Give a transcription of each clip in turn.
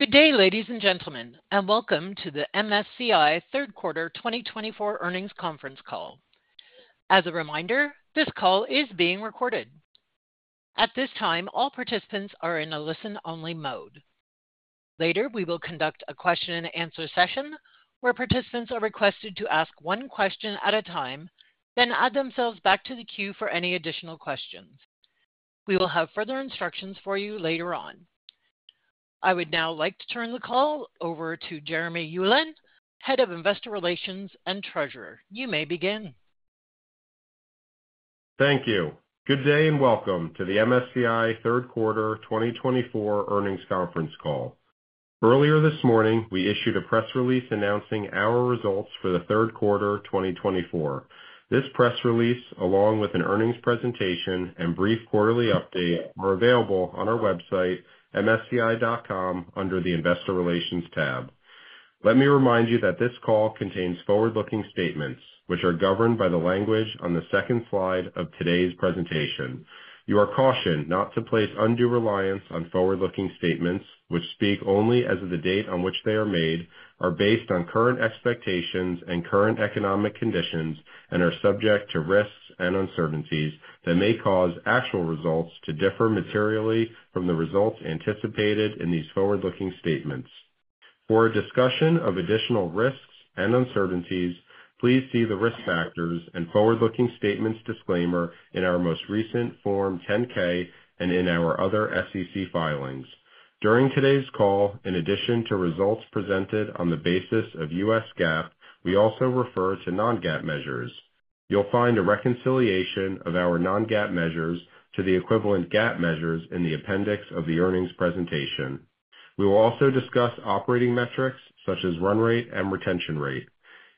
Good day, ladies and gentlemen, and welcome to the MSCI Q3 2024 earnings conference call. As a reminder, this call is being recorded. At this time, all participants are in a listen-only mode. Later, we will conduct a question-and-answer session where participants are requested to ask one question at a time, then add themselves back to the queue for any additional questions. We will have further instructions for you later on. I would now like to turn the call over to Jeremy Ulan, Head of Investor Relations and Treasurer. You may begin. Thank you. Good day and welcome to the MSCI Q3 2024 earnings conference call. Earlier this morning, we issued a press release announcing our results for the Q3 2024. This press release, along with an earnings presentation and brief quarterly update, are available on our website, MSCI.com, under the Investor Relations tab. Let me remind you that this call contains forward-looking statements, which are governed by the language on the second slide of today's presentation. You are cautioned not to place undue reliance on forward-looking statements, which speak only as of the date on which they are made, are based on current expectations and current economic conditions, and are subject to risks and uncertainties that may cause actual results to differ materially from the results anticipated in these forward-looking statements. For a discussion of additional risks and uncertainties, please see the risk factors and forward-looking statements disclaimer in our most recent Form 10-K and in our other SEC filings. During today's call, in addition to results presented on the basis of U.S. GAAP, we also refer to non-GAAP measures. You'll find a reconciliation of our non-GAAP measures to the equivalent GAAP measures in the appendix of the earnings presentation. We will also discuss operating metrics such as run rate and retention rate.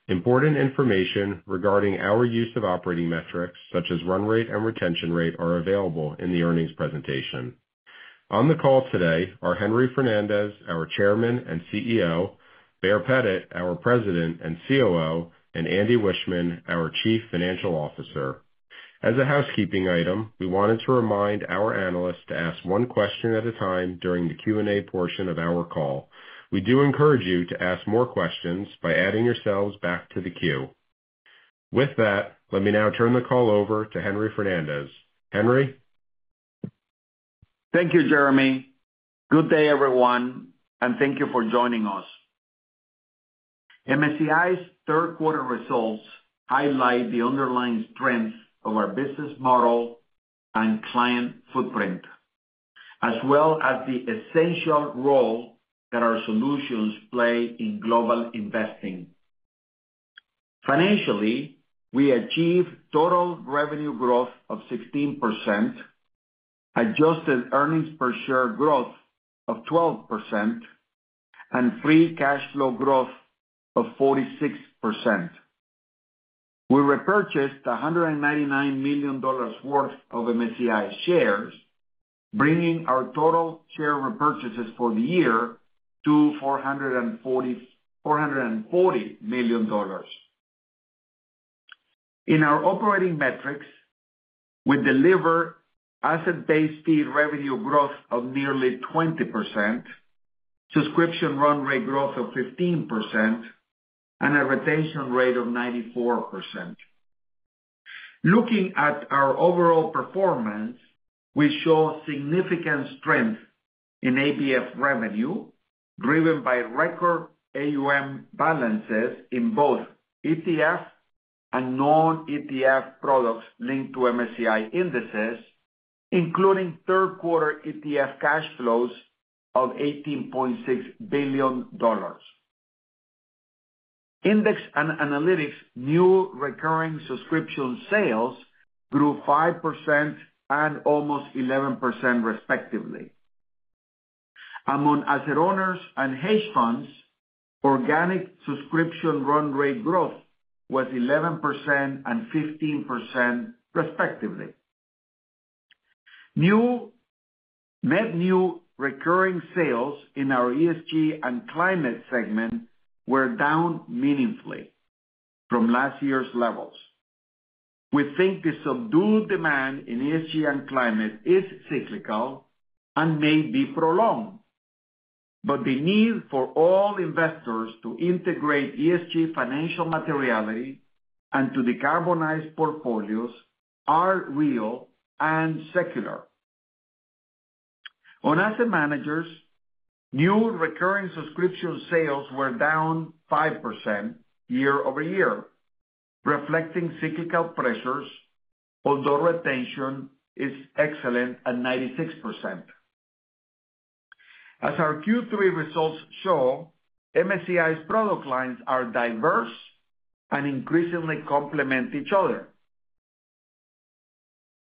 Important information regarding our use of operating metrics such as run rate and retention rate are available in the earnings presentation. On the call today are Henry Fernandez, our Chairman and CEO, Baer Pettit, our President and COO, and Andy Wiechmann, our Chief Financial Officer. As a housekeeping item, we wanted to remind our analysts to ask one question at a time during the Q&A portion of our call. We do encourage you to ask more questions by adding yourselves back to the queue. With that, let me now turn the call over to Henry Fernandez. Henry? Thank you, Jeremy. Good day, everyone, and thank you for joining us. MSCI's Q3 results highlight the underlying strengths of our business model and client footprint, as well as the essential role that our solutions play in global investing. Financially, we achieved total revenue growth of 16%, adjusted earnings per share growth of 12%, and free cash flow growth of 46%. We repurchased $199 million worth of MSCI shares, bringing our total share repurchases for the year to $440 million. In our operating metrics, we deliver asset-based fee revenue growth of nearly 20%, subscription run rate growth of 15%, and a retention rate of 94%. Looking at our overall performance, we show significant strength in ABF revenue, driven by record AUM balances in both ETF and non-ETF products linked to MSCI indexes, including Q3 ETF cash flows of $18.6 billion. Index and Analytics new recurring subscription sales grew 5% and almost 11%, respectively. Among asset owners and hedge funds, organic subscription run rate growth was 11% and 15%, respectively. Net new recurring sales in our ESG and climate segment were down meaningfully from last year's levels. We think the subdued demand in ESG and climate is cyclical and may be prolonged, but the need for all investors to integrate ESG financial materiality and to decarbonize portfolios is real and secular. On asset managers, new recurring subscription sales were down 5% year over year, reflecting cyclical pressures, although retention is excellent at 96%. As our Q3 results show, MSCI's product lines are diverse and increasingly complement each other.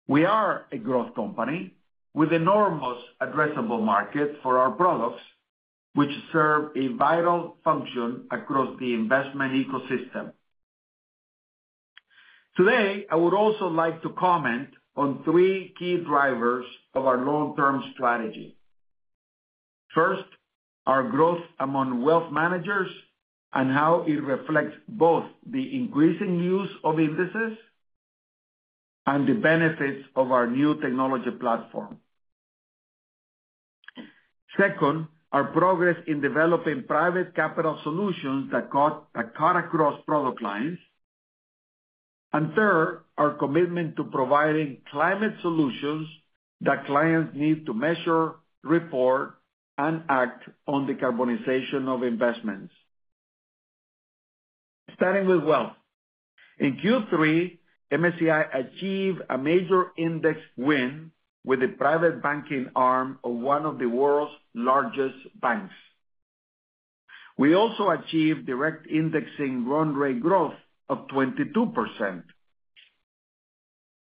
We are a growth company with enormous addressable markets for our products, which serve a vital function across the investment ecosystem. Today, I would also like to comment on three key drivers of our long-term strategy. First, our growth among wealth managers and how it reflects both the increasing use of indices and the benefits of our new technology platform. Second, our progress in developing private capital solutions that cut across product lines. And third, our commitment to providing climate solutions that clients need to measure, report, and act on decarbonization of investments. Starting with wealth. In Q3, MSCI achieved a major index win with the private banking arm of one of the world's largest banks. We also achieved direct indexing run rate growth of 22%.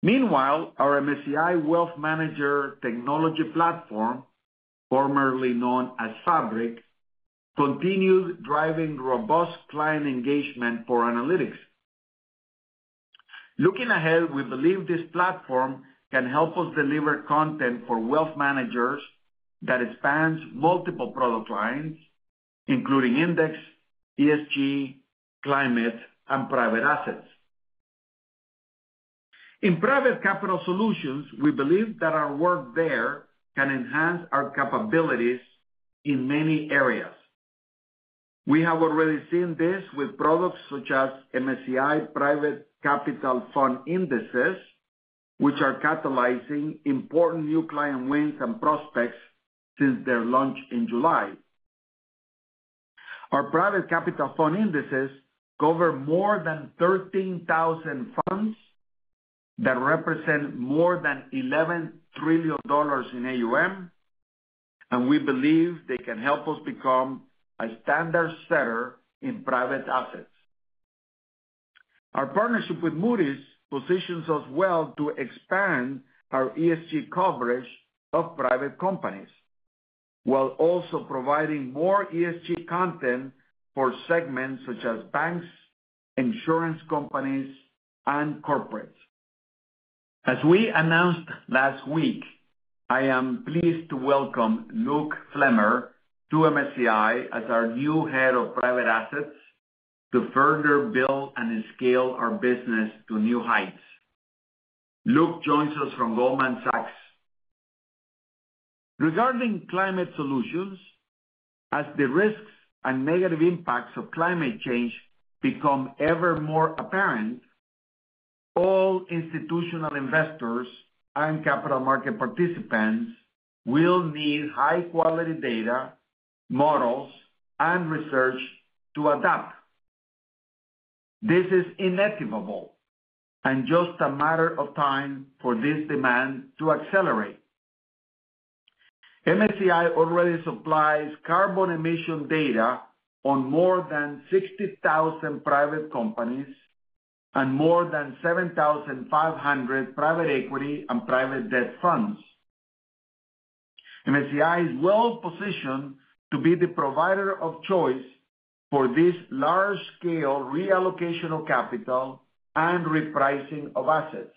Meanwhile, our MSCI Wealth Manager technology platform, formerly known as Fabric, continues driving robust client engagement for analytics. Looking ahead, we believe this platform can help us deliver content for wealth managers that spans multiple product lines, including index, ESG, climate, and private assets. In private capital solutions, we believe that our work there can enhance our capabilities in many areas. We have already seen this with products such as MSCI Private Capital Fund Indexes, which are catalyzing important new client wins and prospects since their launch in July. Our private capital fund indexes cover more than 13,000 funds that represent more than $11 trillion in AUM, and we believe they can help us become a standard setter in private assets. Our partnership with Moody's positions us well to expand our ESG coverage of private companies, while also providing more ESG content for segments such as banks, insurance companies, and corporates. As we announced last week, I am pleased to welcome Luke Flemmer to MSCI as our new head of private assets to further build and scale our business to new heights. Luke joins us from Goldman Sachs. Regarding climate solutions, as the risks and negative impacts of climate change become ever more apparent, all institutional investors and capital market participants will need high-quality data, models, and research to adapt. This is unequivocal, and just a matter of time for this demand to accelerate. MSCI already supplies carbon emission data on more than 60,000 private companies and more than 7,500 private equity and private debt funds. MSCI is well positioned to be the provider of choice for this large-scale reallocation of capital and repricing of assets.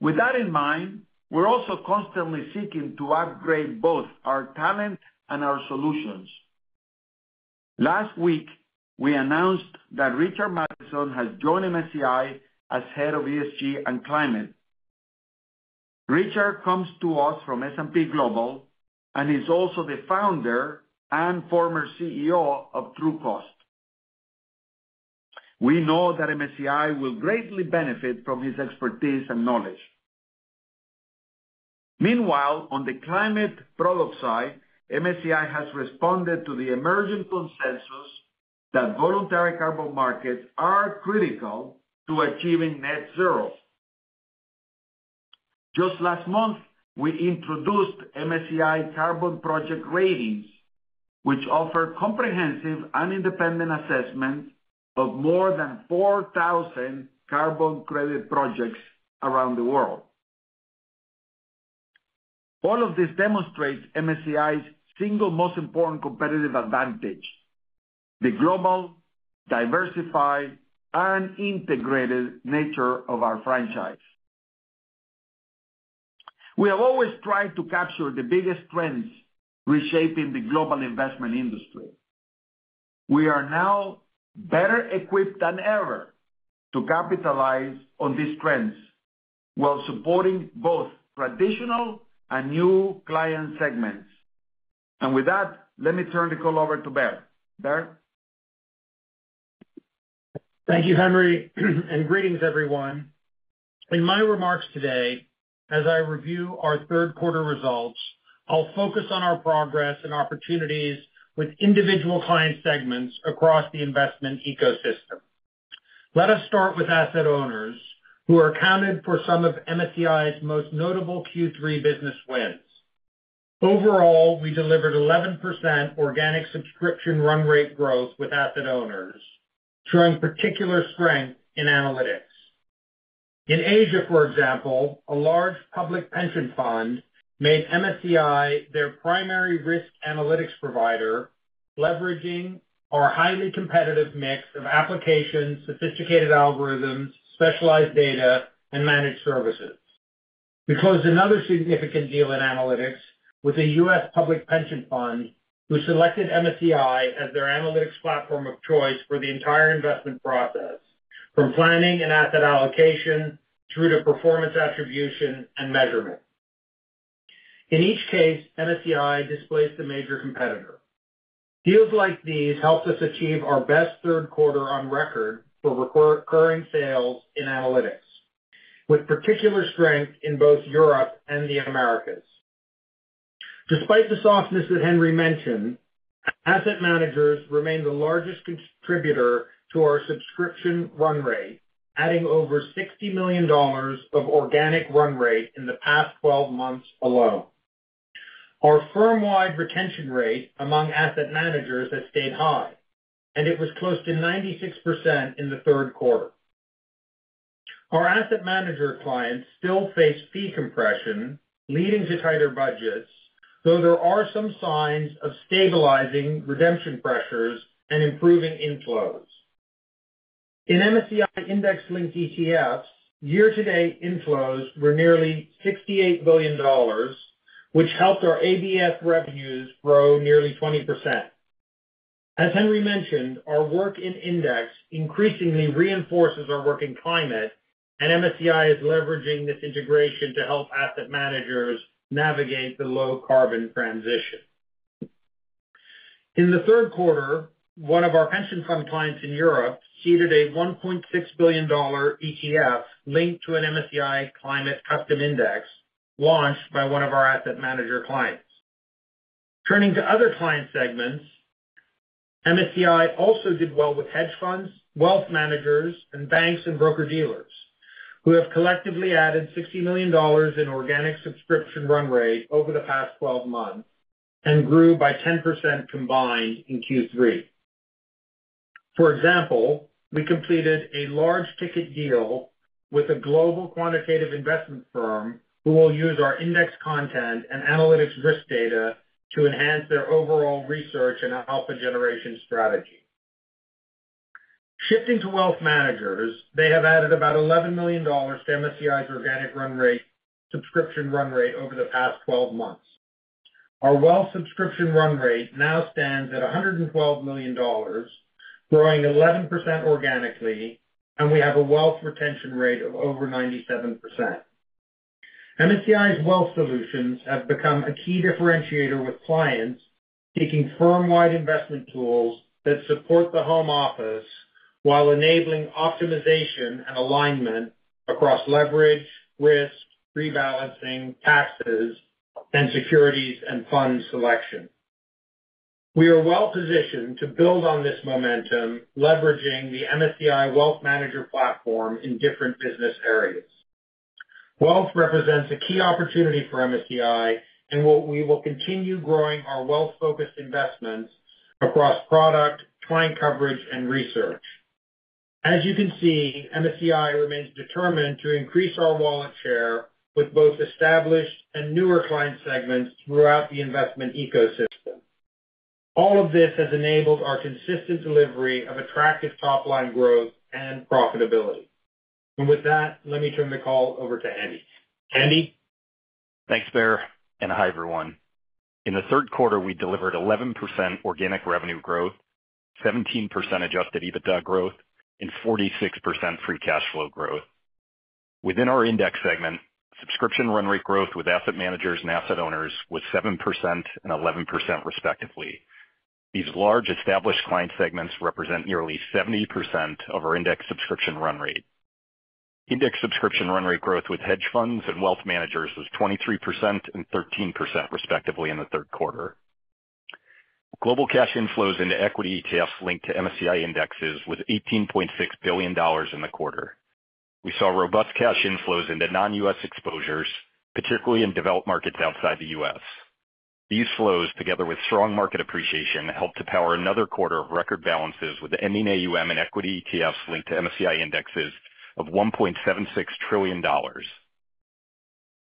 With that in mind, we're also constantly seeking to upgrade both our talent and our solutions. Last week, we announced that Richard Mattison has joined MSCI as head of ESG and climate. Richard comes to us from S&P Global and is also the founder and former CEO of Trucost. We know that MSCI will greatly benefit from his expertise and knowledge. Meanwhile, on the climate product side, MSCI has responded to the emerging consensus that voluntary carbon markets are critical to achieving net zero. Just last month, we introduced MSCI Carbon Project Ratings, which offer comprehensive and independent assessments of more than 4,000 carbon credit projects around the world. All of this demonstrates MSCI's single most important competitive advantage: the global, diversified, and integrated nature of our franchise. We have always tried to capture the biggest trends reshaping the global investment industry. We are now better equipped than ever to capitalize on these trends while supporting both traditional and new client segments. And with that, let me turn the call over to Baer. Baer? Thank you, Henry, and greetings, everyone. In my remarks today, as I review our Q3 results, I'll focus on our progress and opportunities with individual client segments across the investment ecosystem. Let us start with asset owners, who are accounted for some of MSCI's most notable Q3 business wins. Overall, we delivered 11% organic subscription run rate growth with asset owners, showing particular strength in analytics. In Asia, for example, a large public pension fund made MSCI their primary risk analytics provider, leveraging our highly competitive mix of applications, sophisticated algorithms, specialized data, and managed services. We closed another significant deal in analytics with a U.S. public pension fund who selected MSCI as their analytics platform of choice for the entire investment process, from planning and asset allocation through to performance attribution and measurement. In each case, MSCI displaced the major competitor. Deals like these helped us achieve our best Q3 on record for recurring sales in analytics, with particular strength in both Europe and the Americas. Despite the softness that Henry mentioned, asset managers remained the largest contributor to our subscription run rate, adding over $60 million of organic run rate in the past 12 months alone. Our firm-wide retention rate among asset managers has stayed high, and it was close to 96% in the Q3. Our asset manager clients still face fee compression, leading to tighter budgets, though there are some signs of stabilizing redemption pressures and improving inflows. In MSCI Index-linked ETFs, year-to-date inflows were nearly $68 billion, which helped our ABF revenues grow nearly 20%. As Henry mentioned, our work in index increasingly reinforces our work in climate, and MSCI is leveraging this integration to help asset managers navigate the low-carbon transition. In the Q3, one of our pension fund clients in Europe seeded a $1.6 billion ETF linked to an MSCI Climate Custom Index launched by one of our asset manager clients. Turning to other client segments, MSCI also did well with hedge funds, wealth managers, and banks and broker dealers, who have collectively added $60 million in organic subscription run rate over the past 12 months and grew by 10% combined in Q3. For example, we completed a large ticket deal with a global quantitative investment firm who will use our index content and analytics risk data to enhance their overall research and alpha generation strategy. Shifting to wealth managers, they have added about $11 million to MSCI's organic subscription run rate over the past 12 months. Our wealth subscription run rate now stands at $112 million, growing 11% organically, and we have a wealth retention rate of over 97%. MSCI's wealth solutions have become a key differentiator with clients seeking firm-wide investment tools that support the home office while enabling optimization and alignment across leverage, risk, rebalancing, taxes, and securities and fund selection. We are well positioned to build on this momentum, leveraging the MSCI Wealth Manager platform in different business areas. Wealth represents a key opportunity for MSCI, and we will continue growing our wealth-focused investments across product, client coverage, and research. As you can see, MSCI remains determined to increase our wallet share with both established and newer client segments throughout the investment ecosystem. All of this has enabled our consistent delivery of attractive top-line growth and profitability. And with that, let me turn the call over to Andy. Andy? Thanks, Baer, and hi, everyone. In the Q3, we delivered 11% organic revenue growth, 17% adjusted EBITDA growth, and 46% free cash flow growth. Within our index segment, subscription run rate growth with asset managers and asset owners was 7% and 11%, respectively. These large established client segments represent nearly 70% of our index subscription run rate. Index subscription run rate growth with hedge funds and wealth managers was 23% and 13%, respectively, in the Q3. Global cash inflows into equity ETFs linked to MSCI indexes was $18.6 billion in the quarter. We saw robust cash inflows into non-U.S. exposures, particularly in developed markets outside the U.S. These flows, together with strong market appreciation, helped to power another quarter of record balances with the ending AUM in equity ETFs linked to MSCI indexes of $1.76 trillion.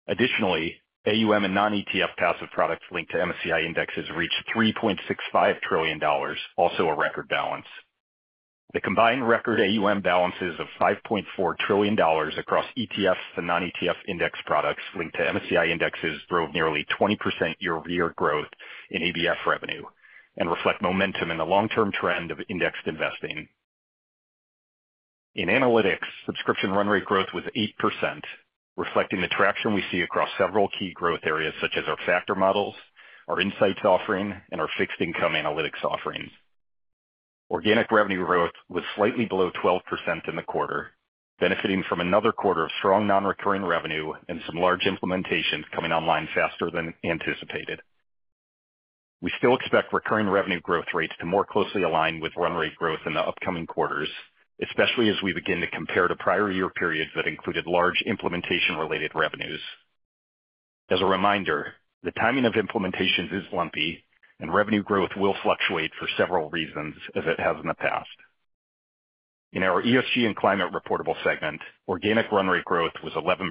Additionally, AUM and non-ETF passive products linked to MSCI indexes reached $3.65 trillion, also a record balance. The combined record AUM balances of $5.4 trillion across ETFs and non-ETF index products linked to MSCI indexes drove nearly 20% year-over-year growth in ABF revenue and reflect momentum in the long-term trend of indexed investing. In analytics, subscription run rate growth was 8%, reflecting the traction we see across several key growth areas such as our factor models, our insights offering, and our fixed income analytics offerings. Organic revenue growth was slightly below 12% in the quarter, benefiting from another quarter of strong non-recurring revenue and some large implementations coming online faster than anticipated. We still expect recurring revenue growth rates to more closely align with run rate growth in the upcoming quarters, especially as we begin to compare to prior year periods that included large implementation-related revenues. As a reminder, the timing of implementations is lumpy, and revenue growth will fluctuate for several reasons as it has in the past. In our ESG and climate reportable segment, organic run rate growth was 11%,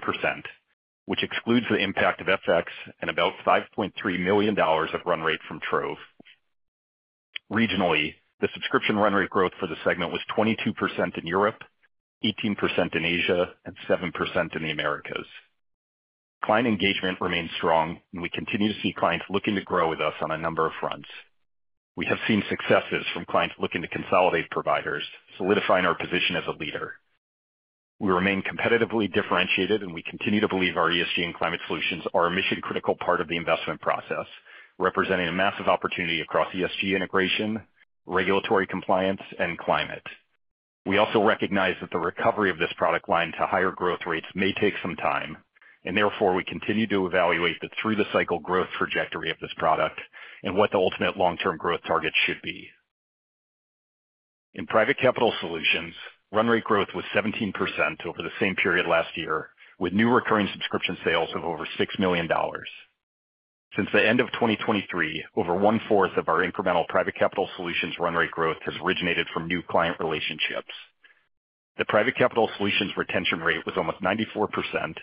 which excludes the impact of FX and about $5.3 million of run rate from Trove. Regionally, the subscription run rate growth for the segment was 22% in Europe, 18% in Asia, and 7% in the Americas. Client engagement remains strong, and we continue to see clients looking to grow with us on a number of fronts. We have seen successes from clients looking to consolidate providers, solidifying our position as a leader. We remain competitively differentiated, and we continue to believe our ESG and climate solutions are a mission-critical part of the investment process, representing a massive opportunity across ESG integration, regulatory compliance, and climate. We also recognize that the recovery of this product line to higher growth rates may take some time, and therefore we continue to evaluate the through-the-cycle growth trajectory of this product and what the ultimate long-term growth targets should be. In private capital solutions, run rate growth was 17% over the same period last year, with new recurring subscription sales of over $6 million. Since the end of 2023, over one-fourth of our incremental private capital solutions run rate growth has originated from new client relationships. The private capital solutions retention rate was almost 94%,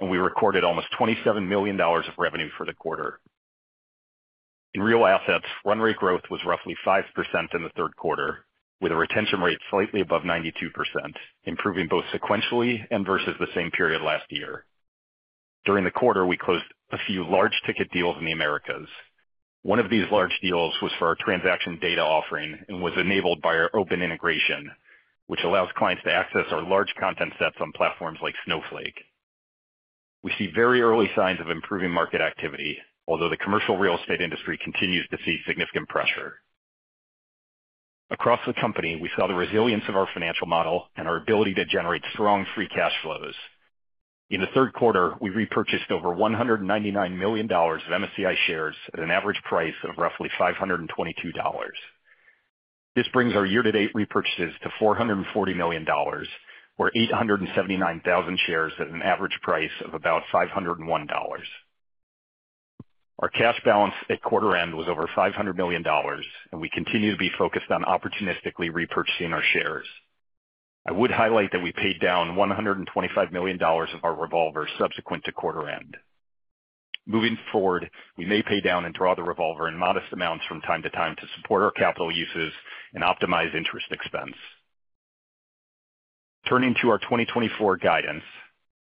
and we recorded almost $27 million of revenue for the quarter. In real assets, run rate growth was roughly 5% in the Q3, with a retention rate slightly above 92%, improving both sequentially and versus the same period last year. During the quarter, we closed a few large ticket deals in the Americas. One of these large deals was for our transaction data offering and was enabled by our open integration, which allows clients to access our large content sets on platforms like Snowflake. We see very early signs of improving market activity, although the commercial real estate industry continues to see significant pressure. Across the company, we saw the resilience of our financial model and our ability to generate strong free cash flows. In the Q3, we repurchased over $199 million of MSCI shares at an average price of roughly $522. This brings our year-to-date repurchases to $440 million, or 879,000 shares at an average price of about $501. Our cash balance at quarter-end was over $500 million, and we continue to be focused on opportunistically repurchasing our shares. I would highlight that we paid down $125 million of our revolver subsequent to quarter-end. Moving forward, we may pay down and draw the revolver in modest amounts from time to time to support our capital uses and optimize interest expense. Turning to our 2024 guidance,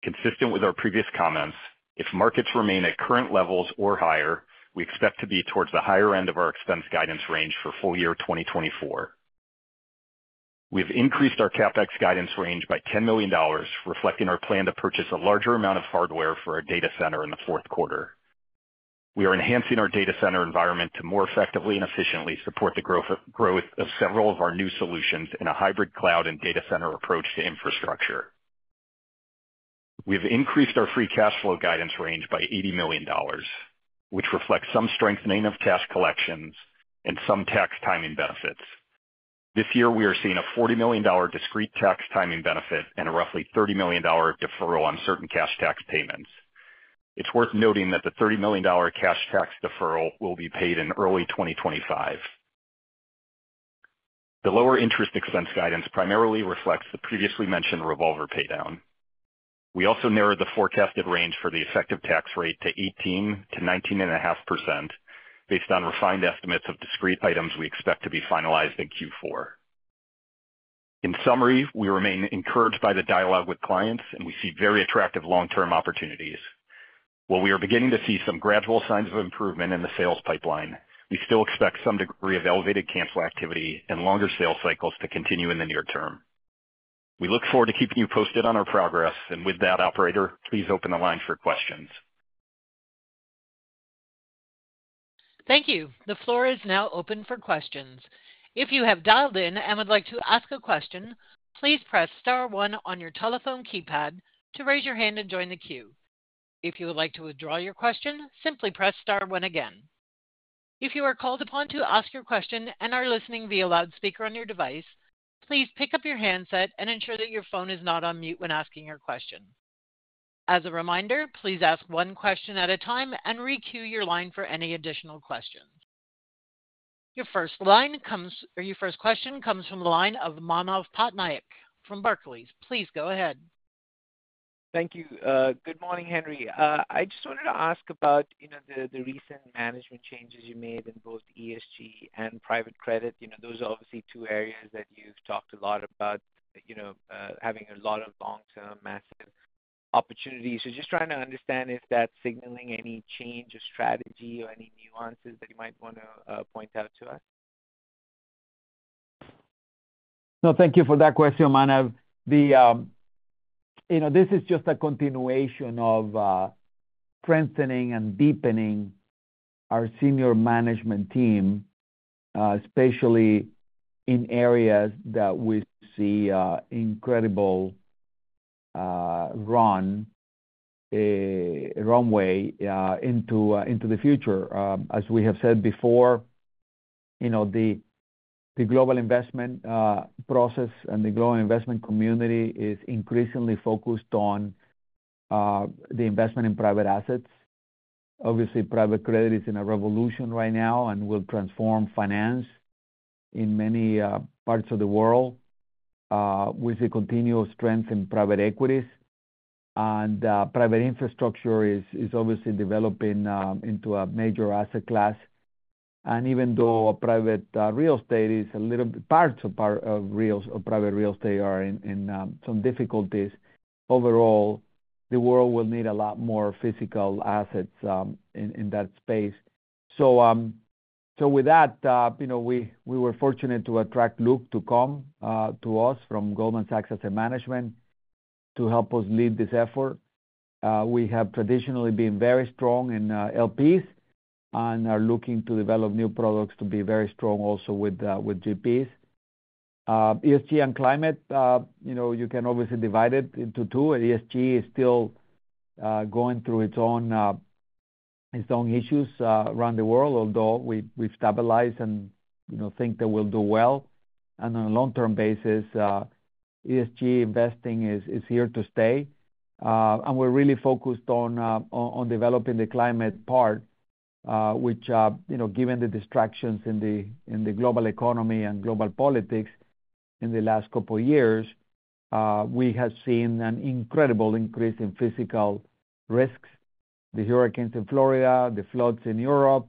consistent with our previous comments, if markets remain at current levels or higher, we expect to be towards the higher end of our expense guidance range for full year 2024. We have increased our CapEx guidance range by $10 million, reflecting our plan to purchase a larger amount of hardware for our data center in the Q4. We are enhancing our data center environment to more effectively and efficiently support the growth of several of our new solutions in a hybrid cloud and data center approach to infrastructure. We have increased our Free Cash Flow guidance range by $80 million, which reflects some strengthening of cash collections and some tax timing benefits. This year, we are seeing a $40 million discrete tax timing benefit and a roughly $30 million deferral on certain cash tax payments. It's worth noting that the $30 million cash tax deferral will be paid in early 2025. The lower interest expense guidance primarily reflects the previously mentioned revolver paydown. We also narrowed the forecasted range for the effective tax rate to 18%-19.5% based on refined estimates of discrete items we expect to be finalized in Q4. In summary, we remain encouraged by the dialogue with clients, and we see very attractive long-term opportunities. While we are beginning to see some gradual signs of improvement in the sales pipeline, we still expect some degree of elevated cancel activity and longer sales cycles to continue in the near term. We look forward to keeping you posted on our progress, and with that, Operator, please open the line for questions. Thank you. The floor is now open for questions. If you have dialed in and would like to ask a question, please press star one on your telephone keypad to raise your hand and join the queue. If you would like to withdraw your question, simply press star one again. If you are called upon to ask your question and are listening via loudspeaker on your device, please pick up your handset and ensure that your phone is not on mute when asking your question. As a reminder, please ask one question at a time and re-queue your line for any additional questions. Your first line comes or your first question comes from the line of Manav Patnaik from Barclays. Please go ahead. Thank you. Good morning, Henry. I just wanted to ask about the recent management changes you made in both ESG and private credit. Those are obviously two areas that you've talked a lot about, having a lot of long-term massive opportunities. So just trying to understand, is that signaling any change of strategy or any nuances that you might want to point out to us? No, thank you for that question, Manav. This is just a continuation of strengthening and deepening our senior management team, especially in areas that we see incredible runway into the future. As we have said before, the global investment process and the global investment community is increasingly focused on the investment in private assets. Obviously, private credit is in a revolution right now and will transform finance in many parts of the world with the continued strength in private equities. And private infrastructure is obviously developing into a major asset class. And even though private real estate is a little bit, parts of private real estate are in some difficulties, overall, the world will need a lot more physical assets in that space. So with that, we were fortunate to attract Luke to come to us from Goldman Sachs Asset Management to help us lead this effort. We have traditionally been very strong in LPs and are looking to develop new products to be very strong also with GPs. ESG and climate, you can obviously divide it into two. ESG is still going through its own issues around the world, although we've stabilized and think that we'll do well, and on a long-term basis, ESG investing is here to stay, and we're really focused on developing the climate part, which, given the distractions in the global economy and global politics in the last couple of years, we have seen an incredible increase in physical risks: the hurricanes in Florida, the floods in Europe,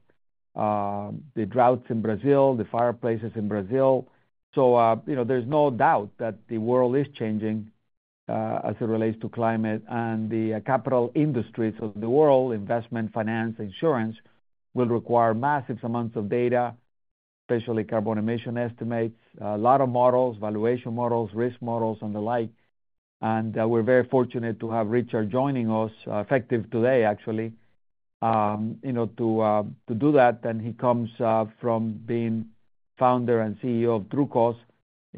the droughts in Brazil, the fires in Brazil, so there's no doubt that the world is changing as it relates to climate. The capital industries of the world, investment, finance, insurance, will require massive amounts of data, especially carbon emission estimates, a lot of models, valuation models, risk models, and the like. We're very fortunate to have Richard joining us, effective today, actually, to do that. He comes from being Founder and CEO of Truecost,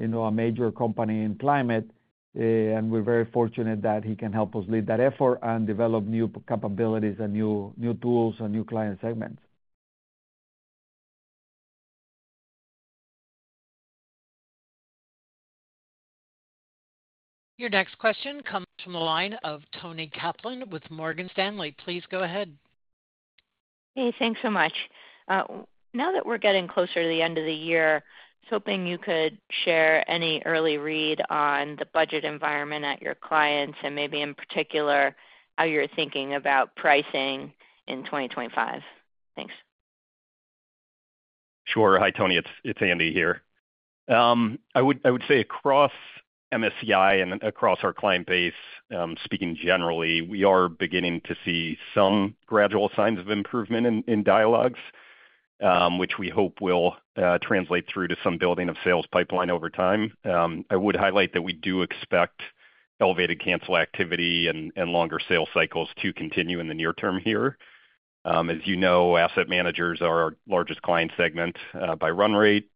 a major company in climate. We're very fortunate that he can help us lead that effort and develop new capabilities and new tools and new client segments. Your next question comes from the line of Toni Kaplan with Morgan Stanley. Please go ahead. Hey, thanks so much. Now that we're getting closer to the end of the year, I was hoping you could share any early read on the budget environment at your clients and maybe in particular how you're thinking about pricing in 2025? Thanks. Sure. Hi, Tony. It's Andy here. I would say across MSCI and across our client base, speaking generally, we are beginning to see some gradual signs of improvement in dialogues, which we hope will translate through to some building of sales pipeline over time. I would highlight that we do expect elevated cancel activity and longer sales cycles to continue in the near term here. As you know, asset managers are our largest client segment by run rate.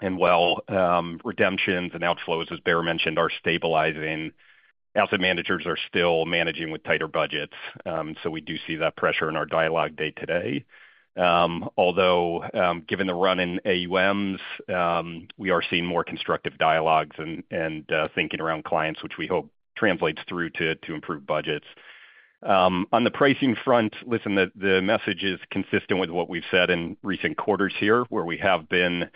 And while redemptions and outflows, as Baer mentioned, are stabilizing, asset managers are still managing with tighter budgets. So we do see that pressure in our dialogue day-to-day. Although, given the run in AUMs, we are seeing more constructive dialogues and thinking around clients, which we hope translates through to improved budgets. On the pricing front, listen, the message is consistent with what we've said in recent quarters here, where we have been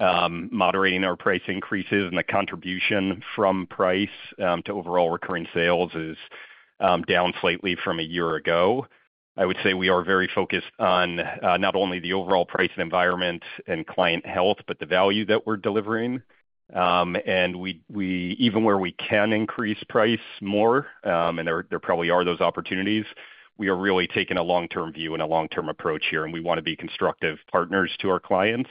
moderating our price increases, and the contribution from price to overall recurring sales is down slightly from a year ago. I would say we are very focused on not only the overall price environment and client health, but the value that we're delivering, and even where we can increase price more, and there probably are those opportunities, we are really taking a long-term view and a long-term approach here, and we want to be constructive partners to our clients.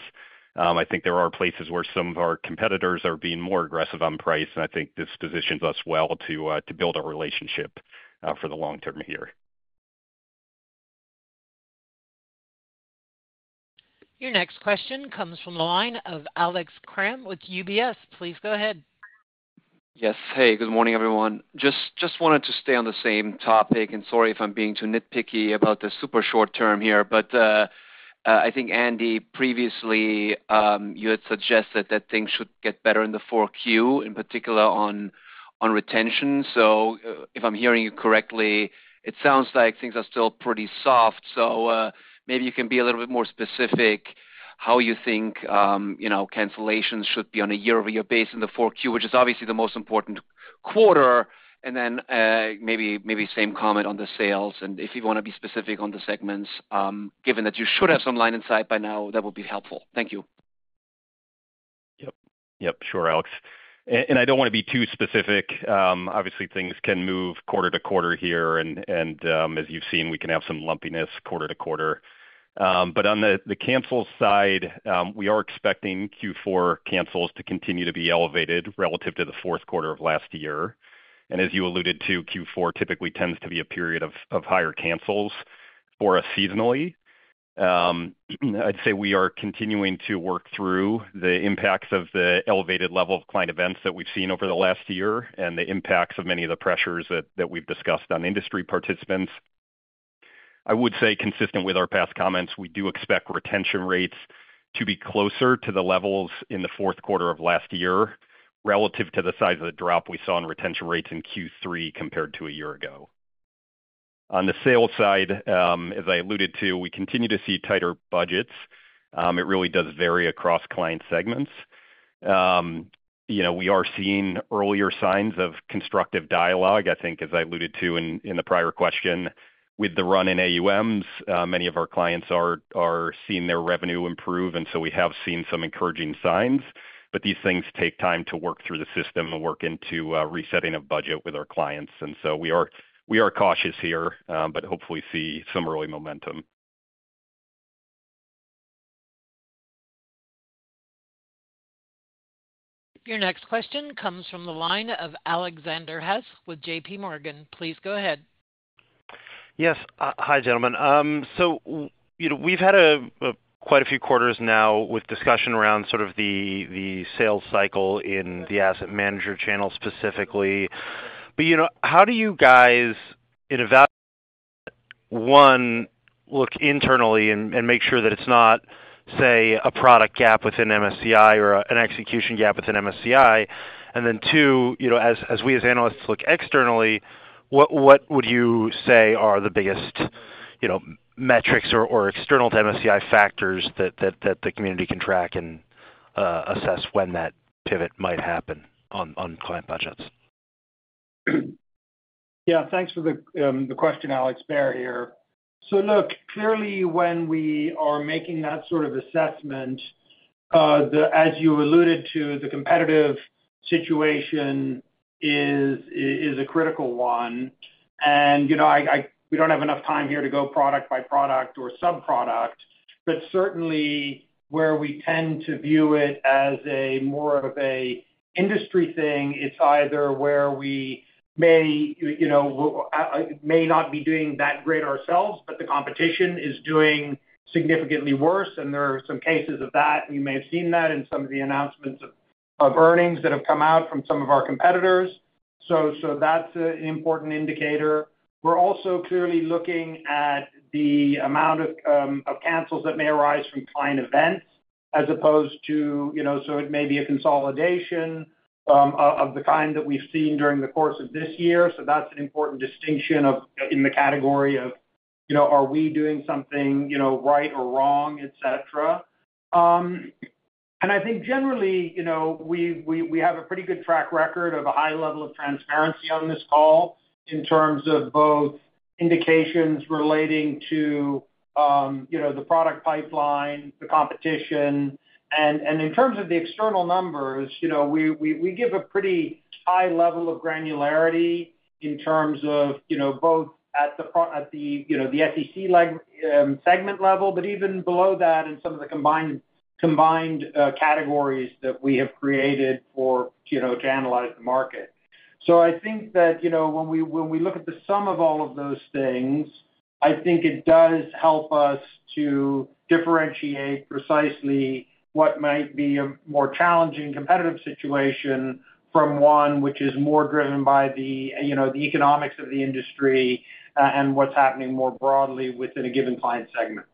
I think there are places where some of our competitors are being more aggressive on price, and I think this positions us well to build a relationship for the long term here. Your next question comes from the line of Alex Kramm with UBS. Please go ahead. Yes. Hey, good morning, everyone. Just wanted to stay on the same topic, and sorry if I'm being too nitpicky about the super short term here. But I think, Andy, previously, you had suggested that things should get better in the 4Q, in particular on retention. So if I'm hearing you correctly, it sounds like things are still pretty soft. So maybe you can be a little bit more specific how you think cancellations should be on a year-over-year basis in the 4Q, which is obviously the most important quarter. And then maybe same comment on the sales. And if you want to be specific on the segments, given that you should have some line-of-sight insight by now, that would be helpful. Thank you. Yep. Yep. Sure, Alex. And I don't want to be too specific. Obviously, things can move quarter to quarter here, and as you've seen, we can have some lumpiness quarter to quarter. But on the cancel side, we are expecting Q4 cancels to continue to be elevated relative to the Q4 of last year. And as you alluded to, Q4 typically tends to be a period of higher cancels for us seasonally. I'd say we are continuing to work through the impacts of the elevated level of client events that we've seen over the last year and the impacts of many of the pressures that we've discussed on industry participants. I would say, consistent with our past comments, we do expect retention rates to be closer to the levels in the Q4 of last year relative to the size of the drop we saw in retention rates in Q3 compared to a year ago. On the sales side, as I alluded to, we continue to see tighter budgets. It really does vary across client segments. We are seeing earlier signs of constructive dialogue, I think, as I alluded to in the prior question. With the run in AUMs, many of our clients are seeing their revenue improve, and so we have seen some encouraging signs. But these things take time to work through the system and work into resetting a budget with our clients. And so we are cautious here, but hopefully see some early momentum. Your next question comes from the line of Alex Hess with JPMorgan. Please go ahead. Yes. Hi, gentlemen. So we've had quite a few quarters now with discussion around sort of the sales cycle in the asset manager channel specifically. But how do you guys, in a vacuum, look internally and make sure that it's not, say, a product gap within MSCI or an execution gap within MSCI? And then two, as we as analysts look externally, what would you say are the biggest metrics or external to MSCI factors that the community can track and assess when that pivot might happen on client budgets? Yeah. Thanks for the question, Alex. Baer here. So look, clearly, when we are making that sort of assessment, as you alluded to, the competitive situation is a critical one. And we don't have enough time here to go product by product or subproduct. But certainly, where we tend to view it as more of an industry thing, it's either where we may not be doing that great ourselves, but the competition is doing significantly worse. And there are some cases of that. You may have seen that in some of the announcements of earnings that have come out from some of our competitors. So that's an important indicator. We're also clearly looking at the amount of cancels that may arise from client events as opposed to so it may be a consolidation of the kind that we've seen during the course of this year. That's an important distinction in the category of are we doing something right or wrong, etc. And I think, generally, we have a pretty good track record of a high level of transparency on this call in terms of both indications relating to the product pipeline, the competition. And in terms of the external numbers, we give a pretty high level of granularity in terms of both at the ESG segment level, but even below that in some of the combined categories that we have created to analyze the market. So I think that when we look at the sum of all of those things, I think it does help us to differentiate precisely what might be a more challenging competitive situation from one which is more driven by the economics of the industry and what's happening more broadly within a given client segment.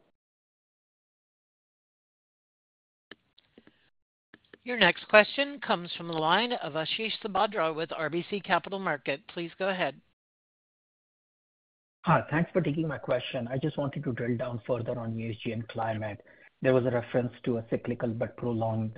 Your next question comes from the line of Ashish Sabadra with RBC Capital Markets. Please go ahead. Thanks for taking my question. I just wanted to drill down further on ESG and climate. There was a reference to a cyclical but prolonged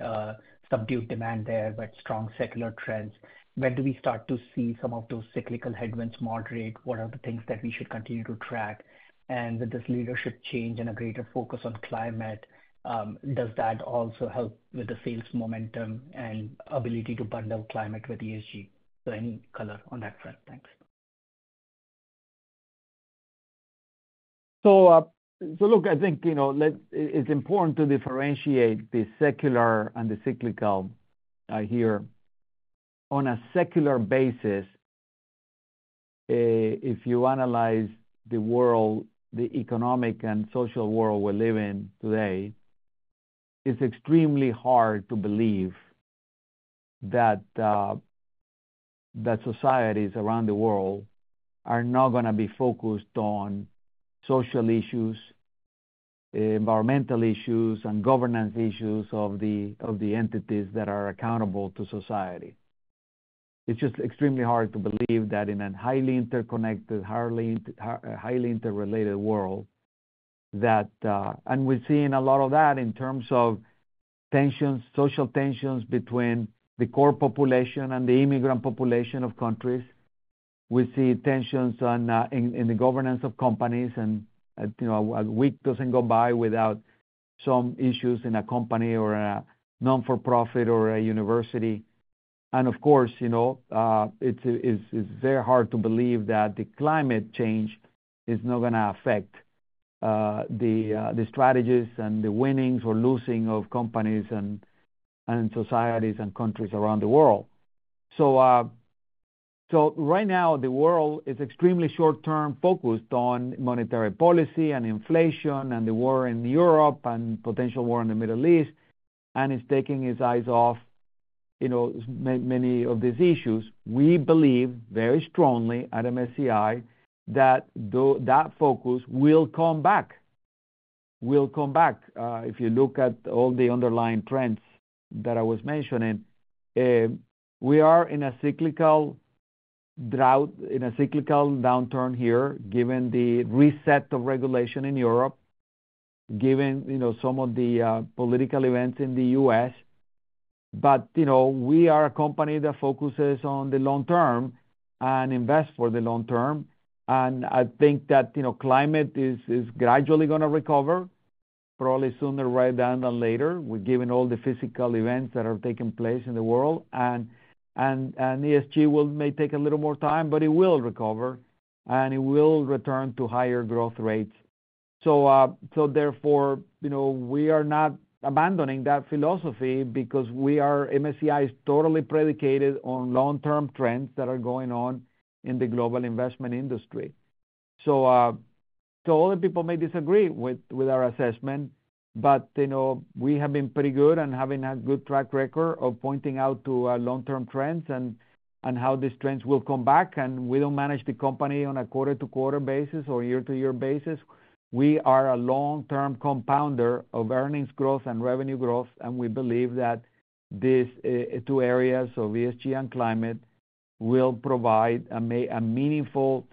subdued demand there but strong secular trends. When do we start to see some of those cyclical headwinds moderate? What are the things that we should continue to track? And with this leadership change and a greater focus on climate, does that also help with the sales momentum and ability to bundle climate with ESG? So any color on that front? Thanks. So look, I think it's important to differentiate the secular and the cyclical here. On a secular basis, if you analyze the world, the economic and social world we live in today, it's extremely hard to believe that societies around the world are not going to be focused on social issues, environmental issues, and governance issues of the entities that are accountable to society. It's just extremely hard to believe that in a highly interconnected, highly interrelated world. And we're seeing a lot of that in terms of social tensions between the core population and the immigrant population of countries. We see tensions in the governance of companies, and a week doesn't go by without some issues in a company or a not-for-profit or a university. Of course, it's very hard to believe that the climate change is not going to affect the strategies and the winnings or losing of companies and societies and countries around the world. So right now, the world is extremely short-term focused on monetary policy and inflation and the war in Europe and potential war in the Middle East, and it's taking its eyes off many of these issues. We believe very strongly at MSCI that that focus will come back. Will come back. If you look at all the underlying trends that I was mentioning, we are in a cyclical drought, in a cyclical downturn here, given the reset of regulation in Europe, given some of the political events in the U.S. We are a company that focuses on the long term and invests for the long term. I think that climate is gradually going to recover, probably sooner rather than later, given all the physical events that are taking place in the world, and ESG may take a little more time, but it will recover, and it will return to higher growth rates, so therefore, we are not abandoning that philosophy because MSCI is totally predicated on long-term trends that are going on in the global investment industry, so other people may disagree with our assessment, but we have been pretty good and having a good track record of pointing out to long-term trends and how these trends will come back, and we don't manage the company on a quarter-to-quarter basis or year-to-year basis. We are a long-term compounder of earnings growth and revenue growth, and we believe that these two areas of ESG and climate will provide a meaningful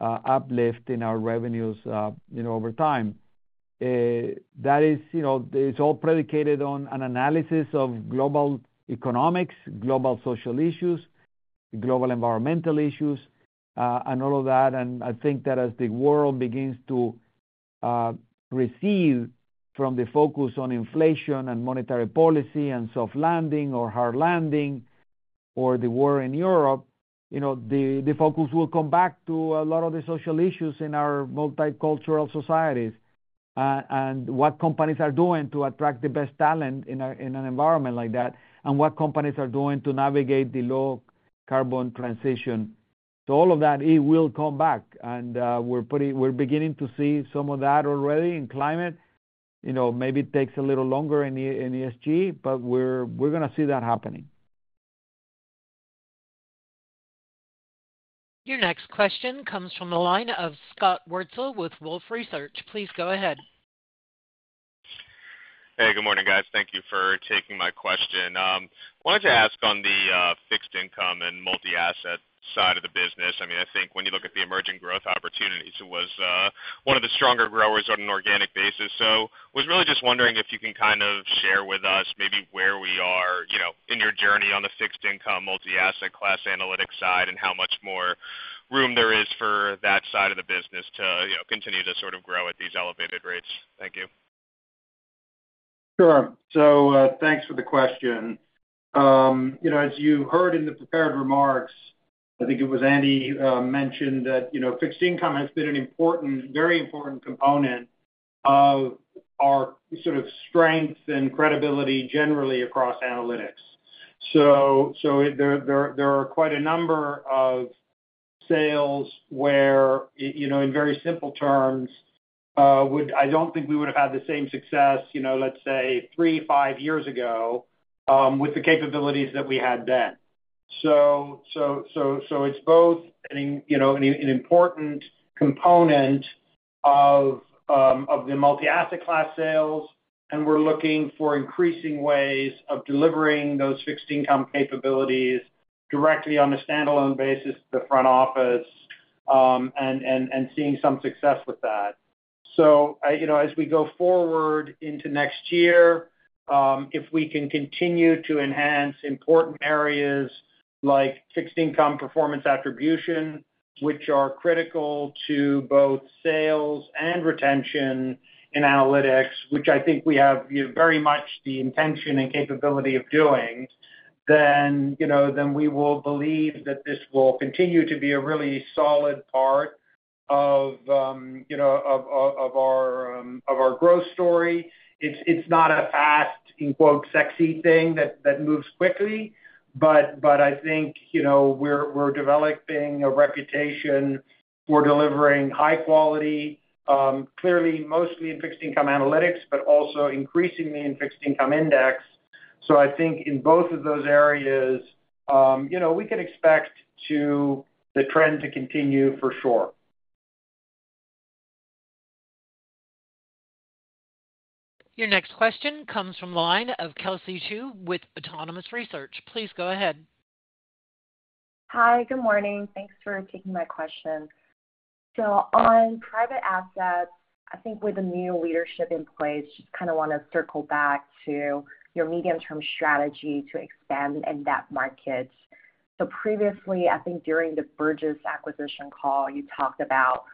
uplift in our revenues over time. That is all predicated on an analysis of global economics, global social issues, global environmental issues, and all of that. And I think that as the world begins to recede from the focus on inflation and monetary policy and soft landing or hard landing or the war in Europe, the focus will come back to a lot of the social issues in our multicultural societies and what companies are doing to attract the best talent in an environment like that and what companies are doing to navigate the low-carbon transition. So all of that, it will come back. And we're beginning to see some of that already in climate. Maybe it takes a little longer in ESG, but we're going to see that happening. Your next question comes from the line of Scott Wurtzel with Wolfe Research. Please go ahead. Hey, good morning, guys. Thank you for taking my question. Wanted to ask on the fixed income and multi-asset side of the business. I mean, I think when you look at the emerging growth opportunities, it was one of the stronger growers on an organic basis. So I was really just wondering if you can kind of share with us maybe where we are in your journey on the fixed income multi-asset class analytic side and how much more room there is for that side of the business to continue to sort of grow at these elevated rates? Thank you. Sure. So thanks for the question. As you heard in the prepared remarks, I think it was Andy mentioned that fixed income has been an important, very important component of our sort of strength and credibility generally across analytics. So there are quite a number of sales where, in very simple terms, I don't think we would have had the same success, let's say, three, five years ago with the capabilities that we had then. So it's both an important component of the multi-asset class sales, and we're looking for increasing ways of delivering those fixed income capabilities directly on a standalone basis to the front office and seeing some success with that. So as we go forward into next year, if we can continue to enhance important areas like fixed income performance attribution, which are critical to both sales and retention in analytics, which I think we have very much the intention and capability of doing, then we will believe that this will continue to be a really solid part of our growth story. It's not a fast, "sexy" thing that moves quickly, but I think we're developing a reputation for delivering high quality, clearly mostly in fixed income analytics, but also increasingly in fixed income index. So I think in both of those areas, we can expect the trend to continue for sure. Your next question comes from the line of Kelsey Zhu with Autonomous Research. Please go ahead. Hi, good morning. Thanks for taking my question. So on private assets, I think with the new leadership in place, just kind of want to circle back to your medium-term strategy to expand in that market. So previously, I think during the Burgiss acquisition call, you talked about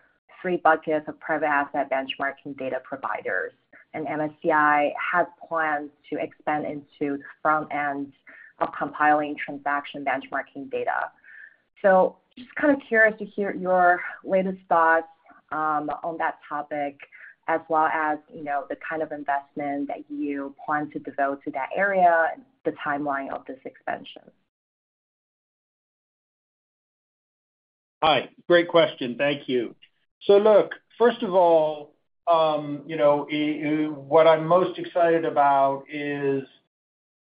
three buckets of private asset benchmarking data providers, and MSCI has plans to expand into the front end of compiling transaction benchmarking data. So just kind of curious to hear your latest thoughts on that topic as well as the kind of investment that you plan to devote to that area and the timeline of this expansion. Hi. Great question. Thank you, so look, first of all, what I'm most excited about is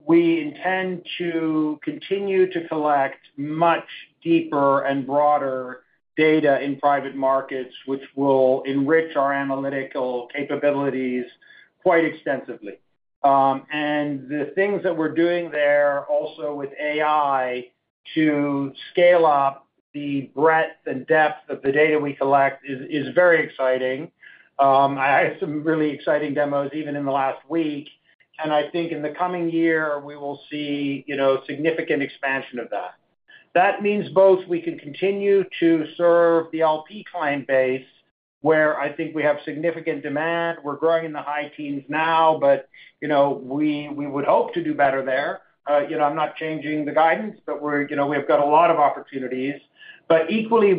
we intend to continue to collect much deeper and broader data in private markets, which will enrich our analytical capabilities quite extensively, and the things that we're doing there also with AI to scale up the breadth and depth of the data we collect is very exciting. I had some really exciting demos even in the last week, and I think in the coming year, we will see significant expansion of that. That means both we can continue to serve the LP client base where I think we have significant demand. We're growing in the high teens now, but we would hope to do better there. I'm not changing the guidance, but we have got a lot of opportunities. But equally,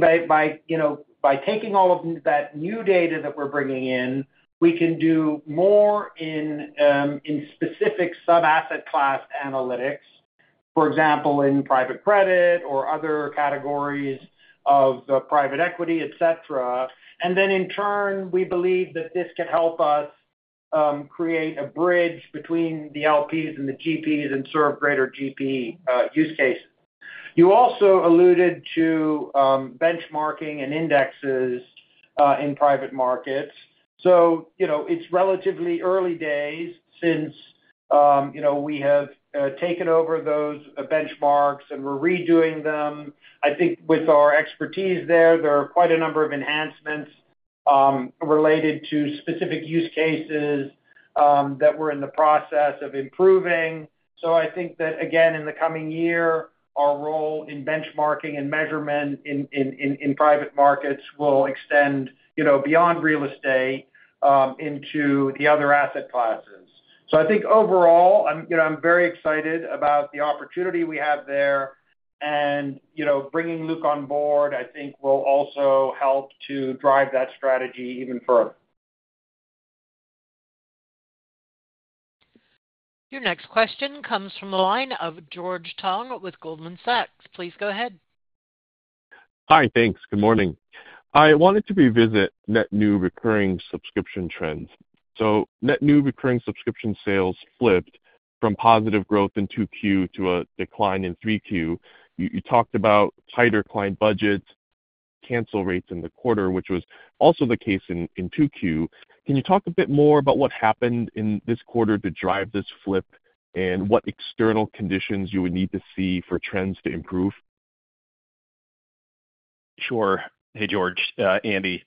by taking all of that new data that we're bringing in, we can do more in specific sub-asset class analytics, for example, in private credit or other categories of private equity, etc. And then in turn, we believe that this can help us create a bridge between the LPs and the GPs and serve greater GP use cases. You also alluded to benchmarking and indexes in private markets. So it's relatively early days since we have taken over those benchmarks and we're redoing them. I think with our expertise there, there are quite a number of enhancements related to specific use cases that we're in the process of improving. So I think that, again, in the coming year, our role in benchmarking and measurement in private markets will extend beyond real estate into the other asset classes. I think overall, I'm very excited about the opportunity we have there. Bringing Luke on board, I think, will also help to drive that strategy even further. Your next question comes from the line of George Tong with Goldman Sachs. Please go ahead. Hi, thanks. Good morning. I wanted to revisit net new recurring subscription trends. So net new recurring subscription sales flipped from positive growth in 2Q to a decline in 3Q. You talked about tighter client budgets, cancel rates in the quarter, which was also the case in 2Q. Can you talk a bit more about what happened in this quarter to drive this flip and what external conditions you would need to see for trends to improve? Sure. Hey, George, Andy.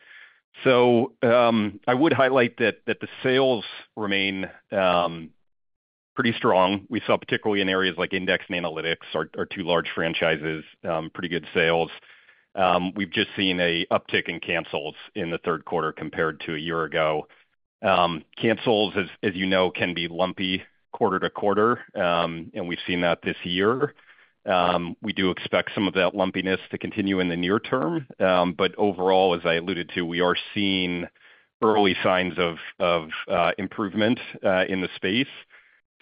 So I would highlight that the sales remain pretty strong. We saw, particularly in areas like index and analytics, our two large franchises, pretty good sales. We've just seen an uptick in cancels in the Q3 compared to a year ago. Cancels, as you know, can be lumpy quarter to quarter, and we've seen that this year. We do expect some of that lumpiness to continue in the near term. But overall, as I alluded to, we are seeing early signs of improvement in the space.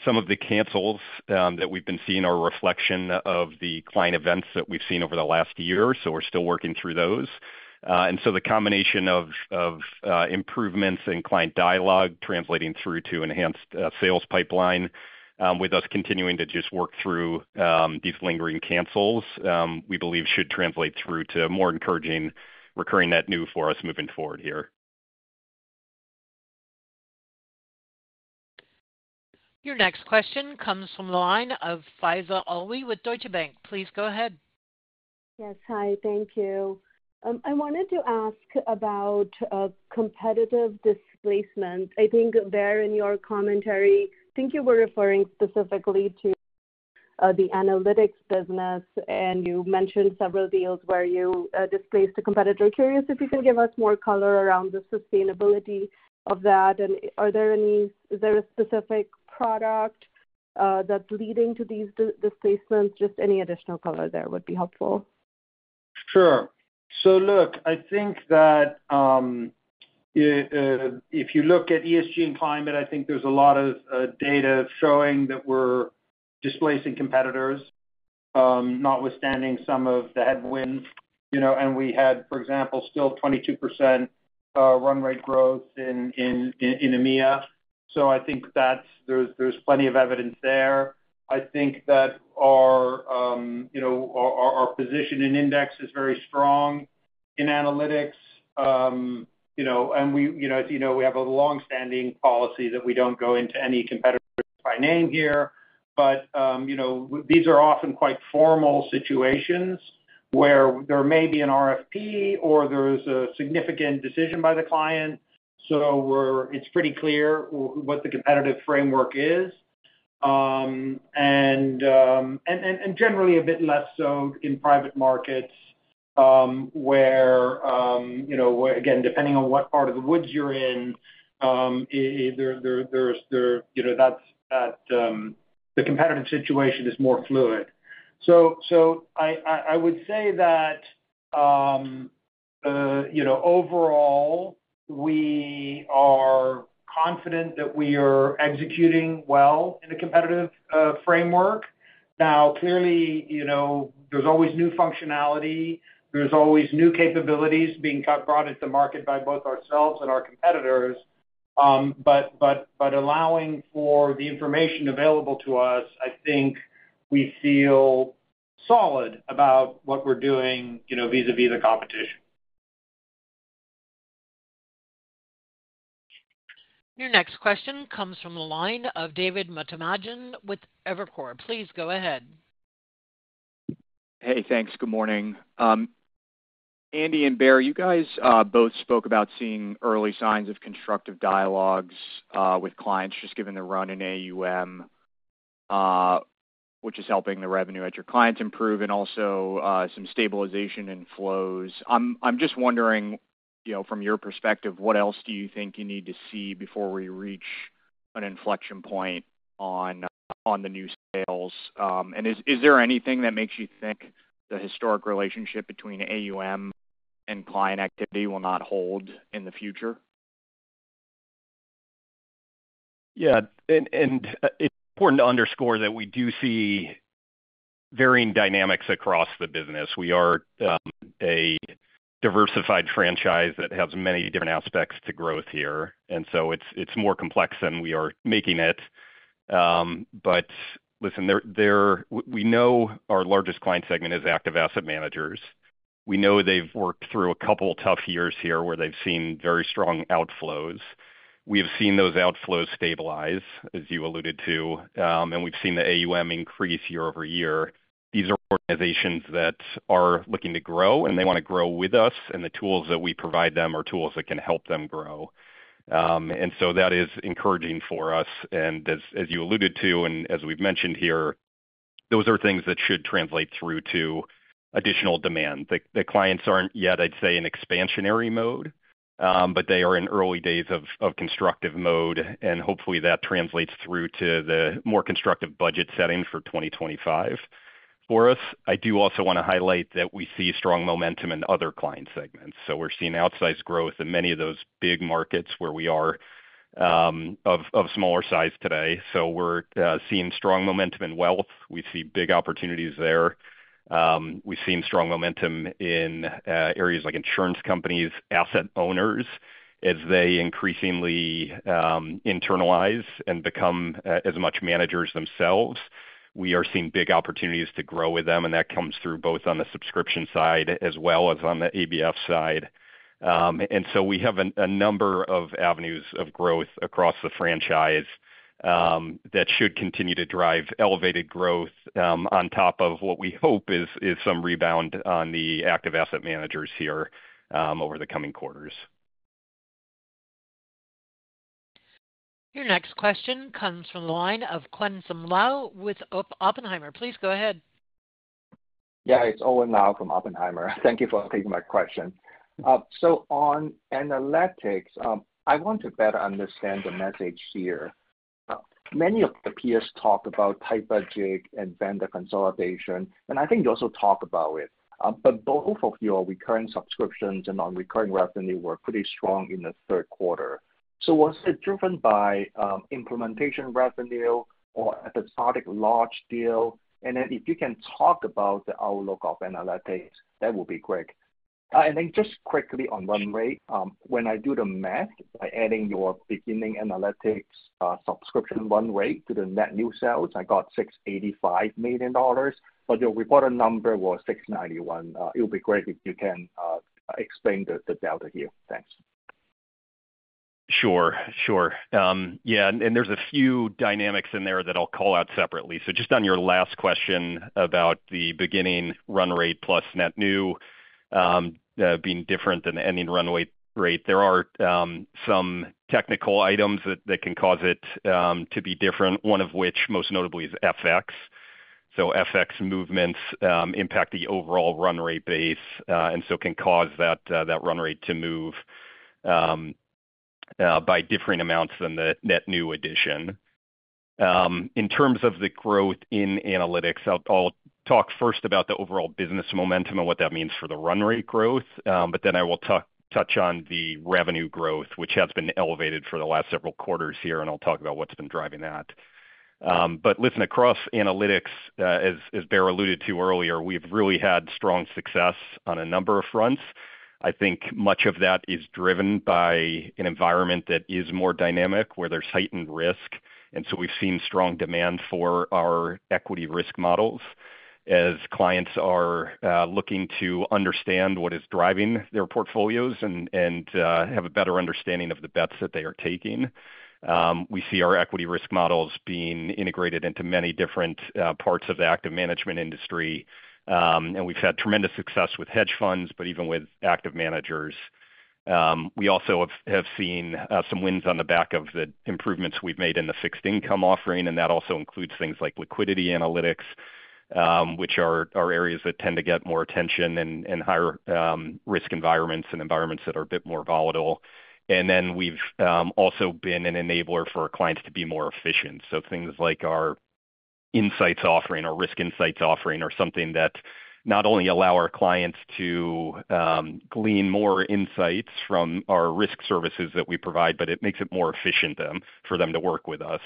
Some of the cancels that we've been seeing are a reflection of the client events that we've seen over the last year, so we're still working through those. And so the combination of improvements in client dialogue translating through to enhanced sales pipeline, with us continuing to just work through these lingering cancels, we believe should translate through to more encouraging recurring net new for us moving forward here. Your next question comes from the line of Faiza Alwi with Deutsche Bank. Please go ahead. Yes, hi. Thank you. I wanted to ask about competitive displacement. I think there in your commentary, I think you were referring specifically to the analytics business, and you mentioned several deals where you displaced a competitor. Curious if you can give us more color around the sustainability of that. And is there a specific product that's leading to these displacements? Just any additional color there would be helpful. Sure. So look, I think that if you look at ESG and climate, I think there's a lot of data showing that we're displacing competitors, notwithstanding some of the headwinds. And we had, for example, still 22% run rate growth in EMEA. So I think there's plenty of evidence there. I think that our position in index is very strong in analytics. And as you know, we have a long-standing policy that we don't go into any competitors by name here. But these are often quite formal situations where there may be an RFP or there's a significant decision by the client. So it's pretty clear what the competitive framework is. And generally, a bit less so in private markets where, again, depending on what part of the woods you're in, the competitive situation is more fluid. So I would say that overall, we are confident that we are executing well in a competitive framework. Now, clearly, there's always new functionality. There's always new capabilities being brought into the market by both ourselves and our competitors. But allowing for the information available to us, I think we feel solid about what we're doing vis-à-vis the competition. Your next question comes from the line of David Motemaden with Evercore ISI. Please go ahead. Hey, thanks. Good morning. Andy and Baer, you guys both spoke about seeing early signs of constructive dialogues with clients just given the run-up in AUM, which is helping the revenue at your clients improve and also some stabilization in flows. I'm just wondering, from your perspective, what else do you think you need to see before we reach an inflection point on the new sales? And is there anything that makes you think the historic relationship between AUM and client activity will not hold in the future? Yeah. And it's important to underscore that we do see varying dynamics across the business. We are a diversified franchise that has many different aspects to growth here. And so it's more complex than we are making it. But listen, we know our largest client segment is active asset managers. We know they've worked through a couple of tough years here where they've seen very strong outflows. We have seen those outflows stabilize, as you alluded to, and we've seen the AUM increase year over year. These are organizations that are looking to grow, and they want to grow with us. And the tools that we provide them are tools that can help them grow. And so that is encouraging for us. And as you alluded to, and as we've mentioned here, those are things that should translate through to additional demand. The clients aren't yet, I'd say, in expansionary mode, but they are in early days of constructive mode. And hopefully, that translates through to the more constructive budget setting for 2025 for us. I do also want to highlight that we see strong momentum in other client segments. So we're seeing outsized growth in many of those big markets where we are of smaller size today. So we're seeing strong momentum in wealth. We see big opportunities there. We've seen strong momentum in areas like insurance companies, asset owners, as they increasingly internalize and become as much managers themselves. We are seeing big opportunities to grow with them, and that comes through both on the subscription side as well as on the ABF side. We have a number of avenues of growth across the franchise that should continue to drive elevated growth on top of what we hope is some rebound on the active asset managers here over the coming quarters. Your next question comes from the line of Owen Lau with Oppenheimer. Please go ahead. Yeah, it's Owen Lau from Oppenheimer. Thank you for taking my question. So on analytics, I want to better understand the message here. Many of the peers talk about tight budget and vendor consolidation, and I think you also talk about it. But both of your recurring subscriptions and non-recurring revenue were pretty strong in the Q3. So was it driven by implementation revenue or episodic large deal? And then if you can talk about the outlook of analytics, that would be great. And then just quickly on run rate, when I do the math, by adding your beginning analytics subscription run rate to the net new sales, I got $685 million. But your reported number was $691 million. It would be great if you can explain the delta here. Thanks. Sure. Sure. Yeah, and there's a few dynamics in there that I'll call out separately, so just on your last question about the beginning run rate plus net new being different than the ending run rate, there are some technical items that can cause it to be different, one of which most notably is FX, so FX movements impact the overall run rate base and so can cause that run rate to move by differing amounts than the net new addition. In terms of the growth in analytics, I'll talk first about the overall business momentum and what that means for the run rate growth, but then I will touch on the revenue growth, which has been elevated for the last several quarters here, and I'll talk about what's been driving that. But listen, across analytics, as Baer alluded to earlier, we've really had strong success on a number of fronts. I think much of that is driven by an environment that is more dynamic where there's heightened risk. And so we've seen strong demand for our equity risk models as clients are looking to understand what is driving their portfolios and have a better understanding of the bets that they are taking. We see our equity risk models being integrated into many different parts of the active management industry. And we've had tremendous success with hedge funds, but even with active managers. We also have seen some wins on the back of the improvements we've made in the fixed income offering. And that also includes things like liquidity analytics, which are areas that tend to get more attention in higher risk environments and environments that are a bit more volatile. Then we've also been an enabler for our clients to be more efficient. Things like our insights offering or risk insights offering are something that not only allow our clients to glean more insights from our risk services that we provide, but it makes it more efficient for them to work with us.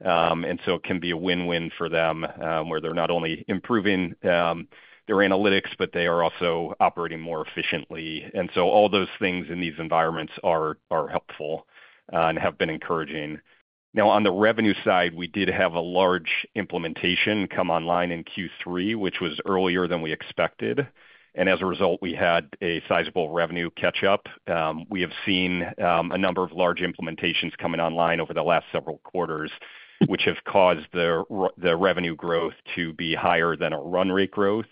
It can be a win-win for them where they're not only improving their analytics, but they are also operating more efficiently. All those things in these environments are helpful and have been encouraging. Now, on the revenue side, we did have a large implementation come online in Q3, which was earlier than we expected. As a result, we had a sizable revenue catch-up. We have seen a number of large implementations coming online over the last several quarters, which have caused the revenue growth to be higher than our run rate growth.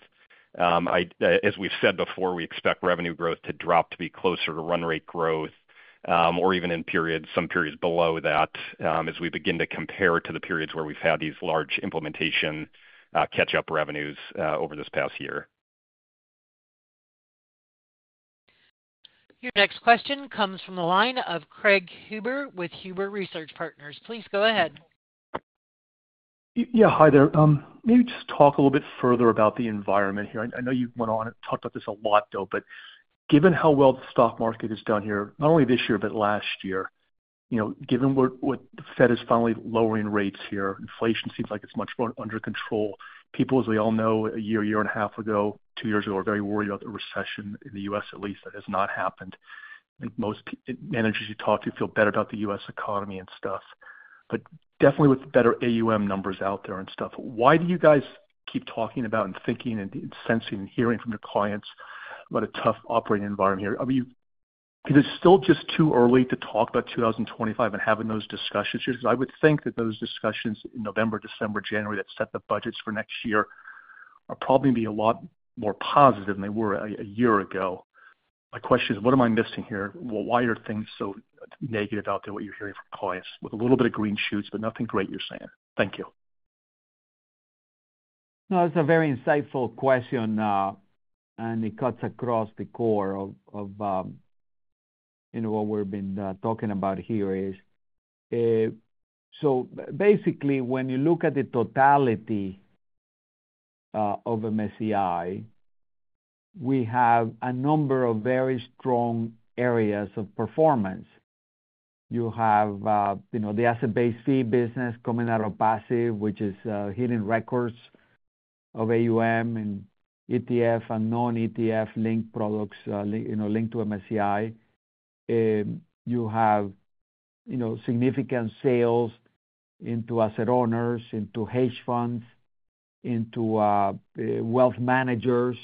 As we've said before, we expect revenue growth to drop to be closer to run rate growth or even in some periods below that as we begin to compare to the periods where we've had these large implementation catch-up revenues over this past year. Your next question comes from the line of Craig Huber with Huber Research Partners. Please go ahead. Yeah. Hi there. Maybe just talk a little bit further about the environment here. I know you went on and talked about this a lot, though, but given how well the stock market has done here, not only this year, but last year, given what the Fed is finally lowering rates here, inflation seems like it's much more under control. People, as we all know, a year, year and a half ago, two years ago, were very worried about the recession in the U.S., at least. That has not happened. And most managers you talk to feel better about the U.S. economy and stuff. But definitely with better AUM numbers out there and stuff, why do you guys keep talking about and thinking and sensing and hearing from your clients about a tough operating environment here? I mean, is it still just too early to talk about 2025 and having those discussions? Because I would think that those discussions in November, December, January that set the budgets for next year are probably going to be a lot more positive than they were a year ago. My question is, what am I missing here? Why are things so negative out there, what you're hearing from clients with a little bit of green shoots, but nothing great you're saying? Thank you. No, it's a very insightful question, and it cuts across the core of what we've been talking about here. So basically, when you look at the totality of MSCI, we have a number of very strong areas of performance. You have the asset-based fee business coming out of passive, which is hitting records of AUM and ETF and non-ETF linked products linked to MSCI. You have significant sales into asset owners, into hedge funds, into wealth managers,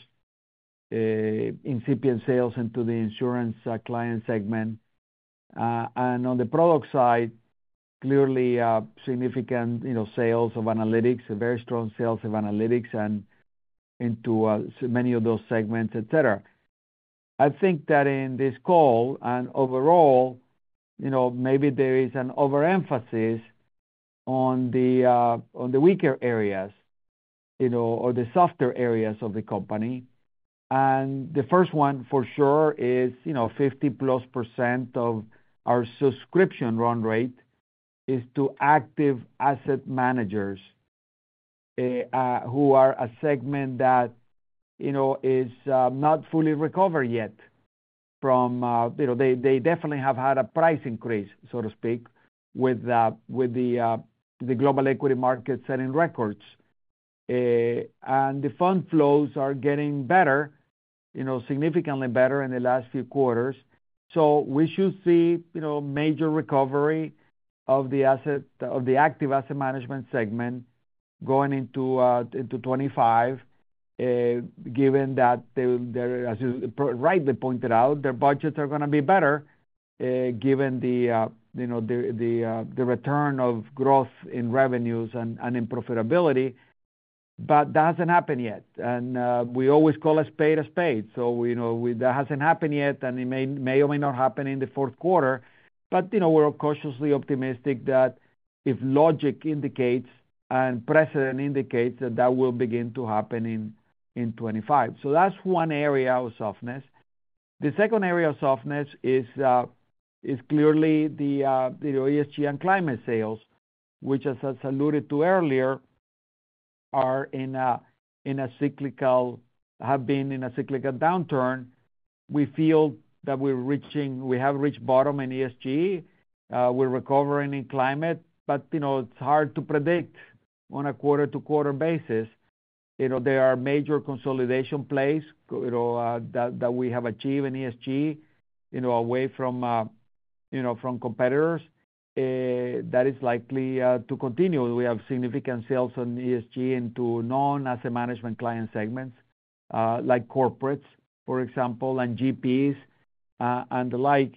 incipient sales into the insurance client segment. And on the product side, clearly significant sales of analytics, very strong sales of analytics and into many of those segments, etc. I think that in this call and overall, maybe there is an overemphasis on the weaker areas or the softer areas of the company. And the first one, for sure, is 50-plus% of our subscription run rate is to active asset managers who are a segment that is not fully recovered yet from they definitely have had a price increase, so to speak, with the global equity markets setting records. And the fund flows are getting better, significantly better in the last few quarters. So we should see major recovery of the active asset management segment going into 2025, given that, as you rightly pointed out, their budgets are going to be better given the return of growth in revenues and in profitability. But that hasn't happened yet. And we always call a spade a spade. So that hasn't happened yet, and it may or may not happen in the Q4. But we're cautiously optimistic that if logic indicates and precedent indicates that that will begin to happen in 2025. So that's one area of softness. The second area of softness is clearly the ESG and climate sales, which, as I alluded to earlier, have been in a cyclical downturn. We feel that we have reached bottom in ESG. We're recovering in climate, but it's hard to predict on a quarter-to-quarter basis. There are major consolidation plays that we have achieved in ESG away from competitors. That is likely to continue. We have significant sales on ESG into non-asset management client segments like corporates, for example, and GPs and the like.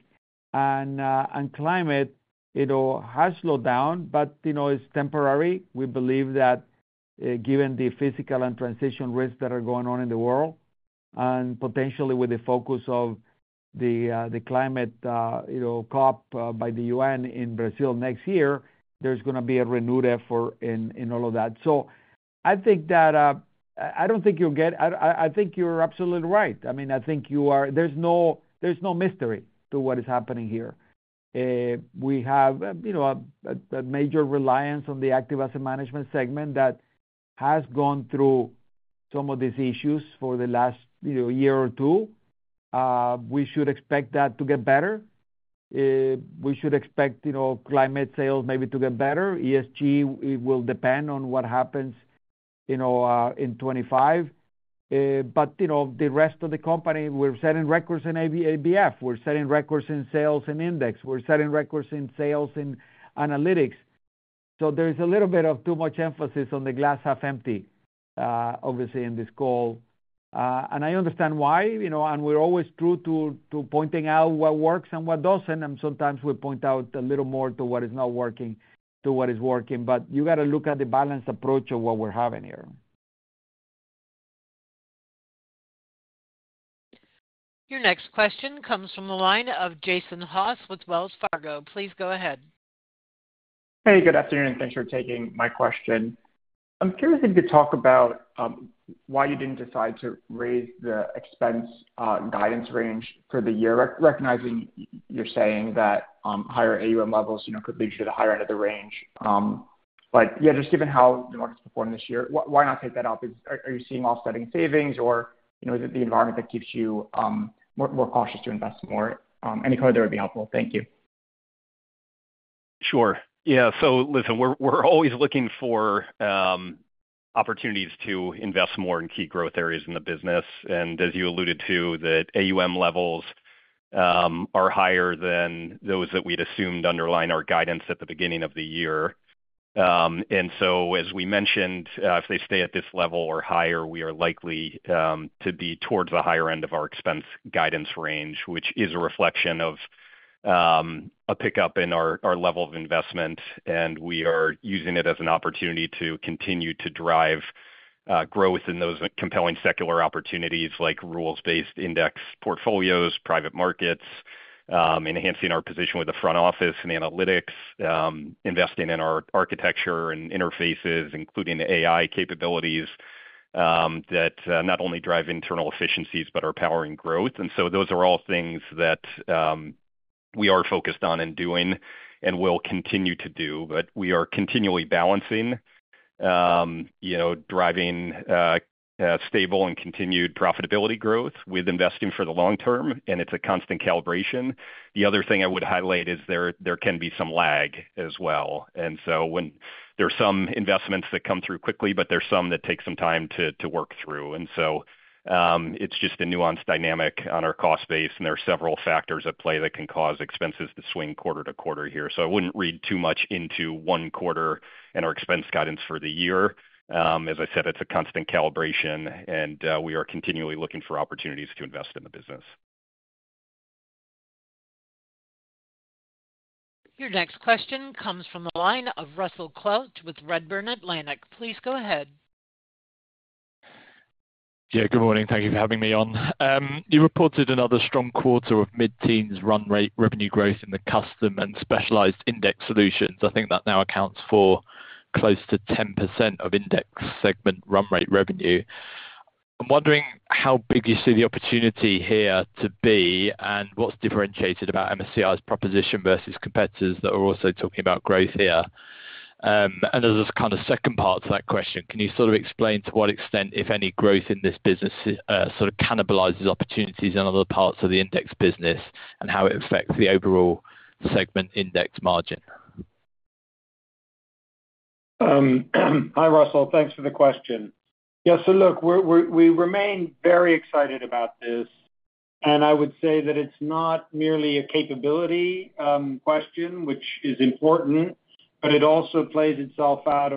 And climate has slowed down, but it's temporary. We believe that given the physical and transition risks that are going on in the world and potentially with the focus of the climate COP by the UN in Brazil next year, there's going to be a renewed effort in all of that. So, I think that I don't think you'll get. I think you're absolutely right. I mean, I think you are. There's no mystery to what is happening here. We have a major reliance on the active asset management segment that has gone through some of these issues for the last year or two. We should expect that to get better. We should expect climate sales maybe to get better. ESG, it will depend on what happens in 2025. But the rest of the company, we're setting records in ABF. We're setting records in sales and index. We're setting records in sales and analytics. So there's a little bit of too much emphasis on the glass half empty, obviously, in this call. And I understand why. And we're always true to pointing out what works and what doesn't. Sometimes we point out a little more to what is not working to what is working. You got to look at the balanced approach of what we're having here. Your next question comes from the line of Jason Haas with Wells Fargo. Please go ahead. Hey, good afternoon. Thanks for taking my question. I'm curious if you could talk about why you didn't decide to raise the expense guidance range for the year, recognizing you're saying that higher AUM levels could lead you to the higher end of the range. But yeah, just given how the market's performed this year, why not take that up? Are you seeing offsetting savings, or is it the environment that keeps you more cautious to invest more? Any color that would be helpful. Thank you. Sure. Yeah. So listen, we're always looking for opportunities to invest more in key growth areas in the business. And as you alluded to, the AUM levels are higher than those that we'd assumed underlie our guidance at the beginning of the year. And so, as we mentioned, if they stay at this level or higher, we are likely to be towards the higher end of our expense guidance range, which is a reflection of a pickup in our level of investment. And we are using it as an opportunity to continue to drive growth in those compelling secular opportunities like rules-based index portfolios, private markets, enhancing our position with the front office and analytics, investing in our architecture and interfaces, including the AI capabilities that not only drive internal efficiencies but are powering growth. And so those are all things that we are focused on and doing and will continue to do. But we are continually balancing, driving stable and continued profitability growth with investing for the long term, and it's a constant calibration. The other thing I would highlight is there can be some lag as well. And so there are some investments that come through quickly, but there are some that take some time to work through. And so it's just a nuanced dynamic on our cost base, and there are several factors at play that can cause expenses to swing quarter to quarter here. So I wouldn't read too much into one quarter and our expense guidance for the year. As I said, it's a constant calibration, and we are continually looking for opportunities to invest in the business. Your next question comes from the line of Russell Quelch with Redburn Atlantic. Please go ahead. Yeah. Good morning. Thank you for having me on. You reported another strong quarter of mid-teens run rate revenue growth in the custom and specialized index solutions. I think that now accounts for close to 10% of index segment run rate revenue. I'm wondering how big you see the opportunity here to be and what's differentiated about MSCI's proposition versus competitors that are also talking about growth here. And as a kind of second part to that question, can you sort of explain to what extent, if any, growth in this business sort of cannibalizes opportunities in other parts of the index business and how it affects the overall segment index margin? Hi, Russell. Thanks for the question. Yeah. So look, we remain very excited about this. And I would say that it's not merely a capability question, which is important, but it also plays itself out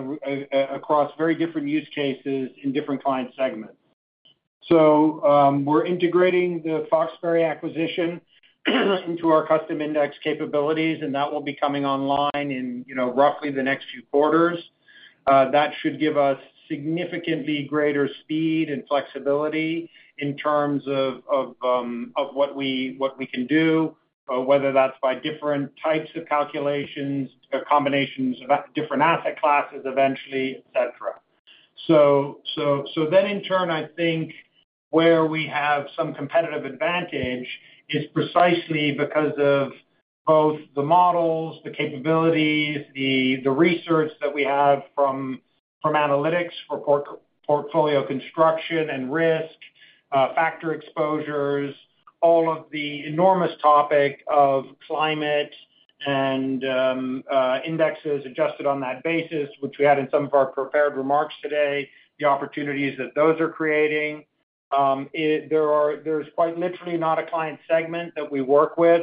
across very different use cases in different client segments, so we're integrating the Foxberry acquisition into our custom index capabilities, and that will be coming online in roughly the next few quarters. That should give us significantly greater speed and flexibility in terms of what we can do, whether that's by different types of calculations, combinations of different asset classes eventually, etc. So then, in turn, I think where we have some competitive advantage is precisely because of both the models, the capabilities, the research that we have from analytics for portfolio construction and risk, factor exposures, all of the enormous topic of climate and indexes adjusted on that basis, which we had in some of our prepared remarks today, the opportunities that those are creating. There's quite literally not a client segment that we work with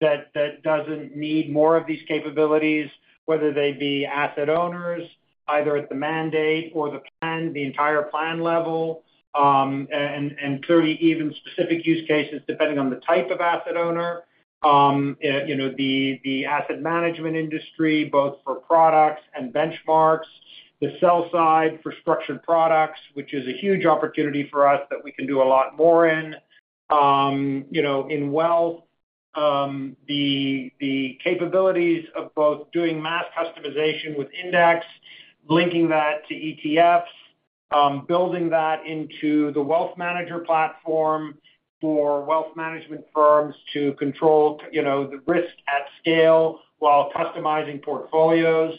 that doesn't need more of these capabilities, whether they be asset owners, either at the mandate or the entire plan level, and clearly even specific use cases depending on the type of asset owner, the asset management industry, both for products and benchmarks, the sell side for structured products, which is a huge opportunity for us that we can do a lot more in. In wealth, the capabilities of both doing mass customization with index, linking that to ETFs, building that into the wealth manager platform for wealth management firms to control the risk at scale while customizing portfolios.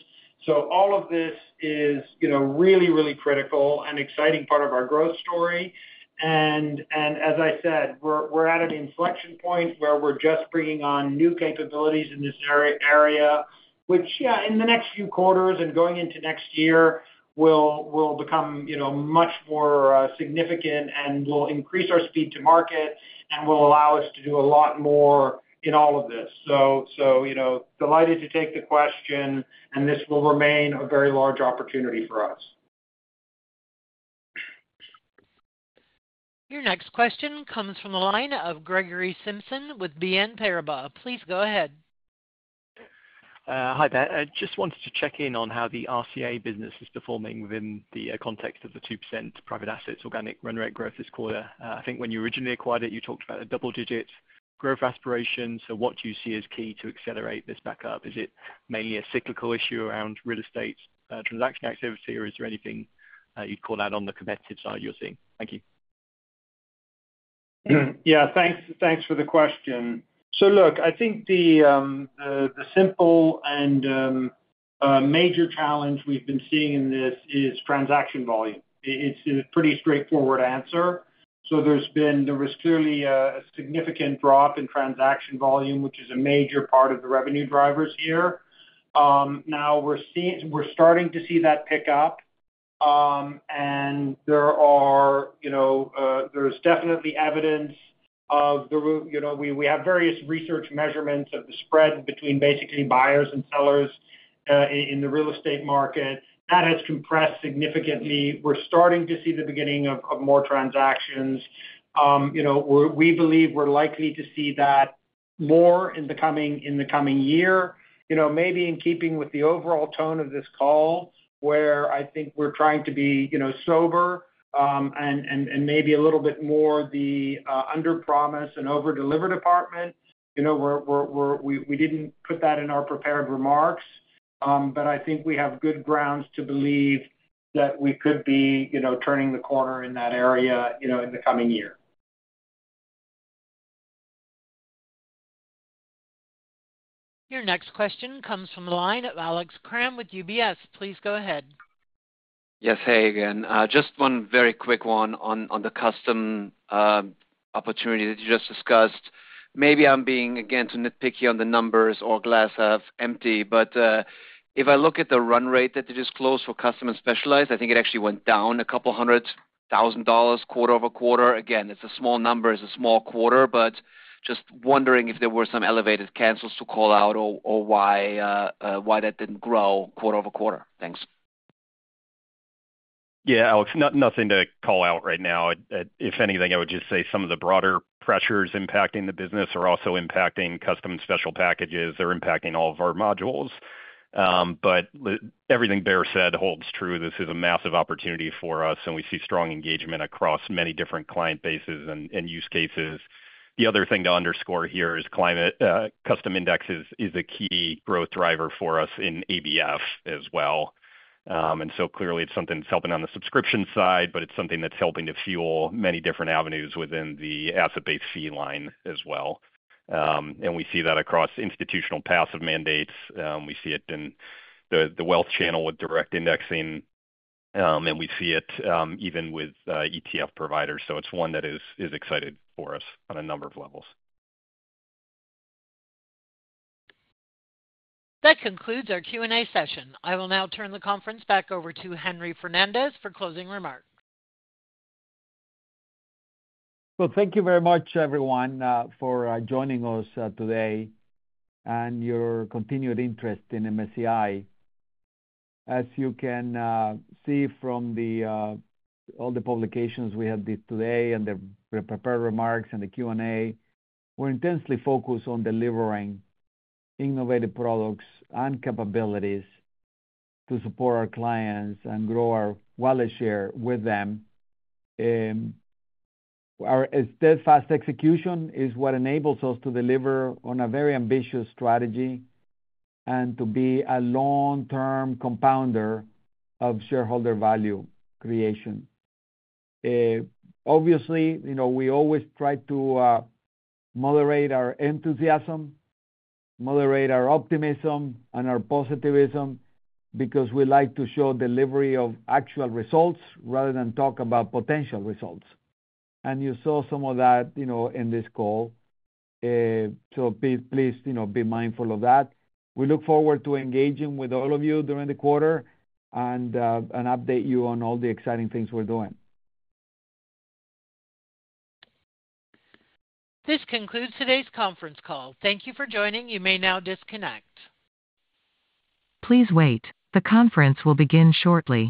So all of this is really, really critical and an exciting part of our growth story. And as I said, we're at an inflection point where we're just bringing on new capabilities in this area, which, yeah, in the next few quarters and going into next year will become much more significant and will increase our speed to market and will allow us to do a lot more in all of this. So delighted to take the question, and this will remain a very large opportunity for us. Your next question comes from the line of Greg Simpson with BNP Paribas. Please go ahead. Hi, there. I just wanted to check in on how the RCA business is performing within the context of the 2% private assets organic run rate growth this quarter. I think when you originally acquired it, you talked about a double-digit growth aspiration. So what do you see as key to accelerate this backup? Is it mainly a cyclical issue around real estate transaction activity, or is there anything you'd call out on the competitive side you're seeing? Thank you. Yeah. Thanks for the question. So look, I think the simple and major challenge we've been seeing in this is transaction volume. It's a pretty straightforward answer. So there was clearly a significant drop in transaction volume, which is a major part of the revenue drivers here. Now we're starting to see that pick up, and there's definitely evidence of the we have various research measurements of the spread between basically buyers and sellers in the real estate market. That has compressed significantly. We're starting to see the beginning of more transactions. We believe we're likely to see that more in the coming year, maybe in keeping with the overall tone of this call, where I think we're trying to be sober and maybe a little bit more the under-promise and over-deliver department. We didn't put that in our prepared remarks, but I think we have good grounds to believe that we could be turning the corner in that area in the coming year. Your next question comes from the line of Alex Kramm with UBS. Please go ahead. Yes. Hey, again. Just one very quick one on the custom opportunity that you just discussed. Maybe I'm being, again, too nitpicky on the numbers or glass half empty. But if I look at the run rate that it just closed for custom and specialized, I think it actually went down $200,000 quarter over quarter. Again, it's a small number. It's a small quarter, but just wondering if there were some elevated cancels to call out or why that didn't grow quarter over quarter. Thanks. Yeah, Alex, nothing to call out right now. If anything, I would just say some of the broader pressures impacting the business are also impacting custom and special packages. They're impacting all of our modules. But everything Bear said holds true. This is a massive opportunity for us, and we see strong engagement across many different client bases and use cases. The other thing to underscore here is custom index is a key growth driver for us in ABF as well. And so clearly, it's something that's helping on the subscription side, but it's something that's helping to fuel many different avenues within the asset-based fee line as well. And we see that across institutional passive mandates. We see it in the wealth channel with direct indexing, and we see it even with ETF providers. So it's one that is exciting for us on a number of levels. That concludes our Q&A session. I will now turn the conference back over to Henry Fernandez for closing remarks. Thank you very much, everyone, for joining us today and your continued interest in MSCI. As you can see from all the publications we had today and the prepared remarks and the Q&A, we're intensely focused on delivering innovative products and capabilities to support our clients and grow our wallet share with them. Our steadfast execution is what enables us to deliver on a very ambitious strategy and to be a long-term compounder of shareholder value creation. Obviously, we always try to moderate our enthusiasm, moderate our optimism, and our positivism because we like to show delivery of actual results rather than talk about potential results. And you saw some of that in this call. So please be mindful of that. We look forward to engaging with all of you during the quarter and to update you on all the exciting things we're doing. This concludes today's conference call. Thank you for joining. You may now disconnect. Please wait. The conference will begin shortly.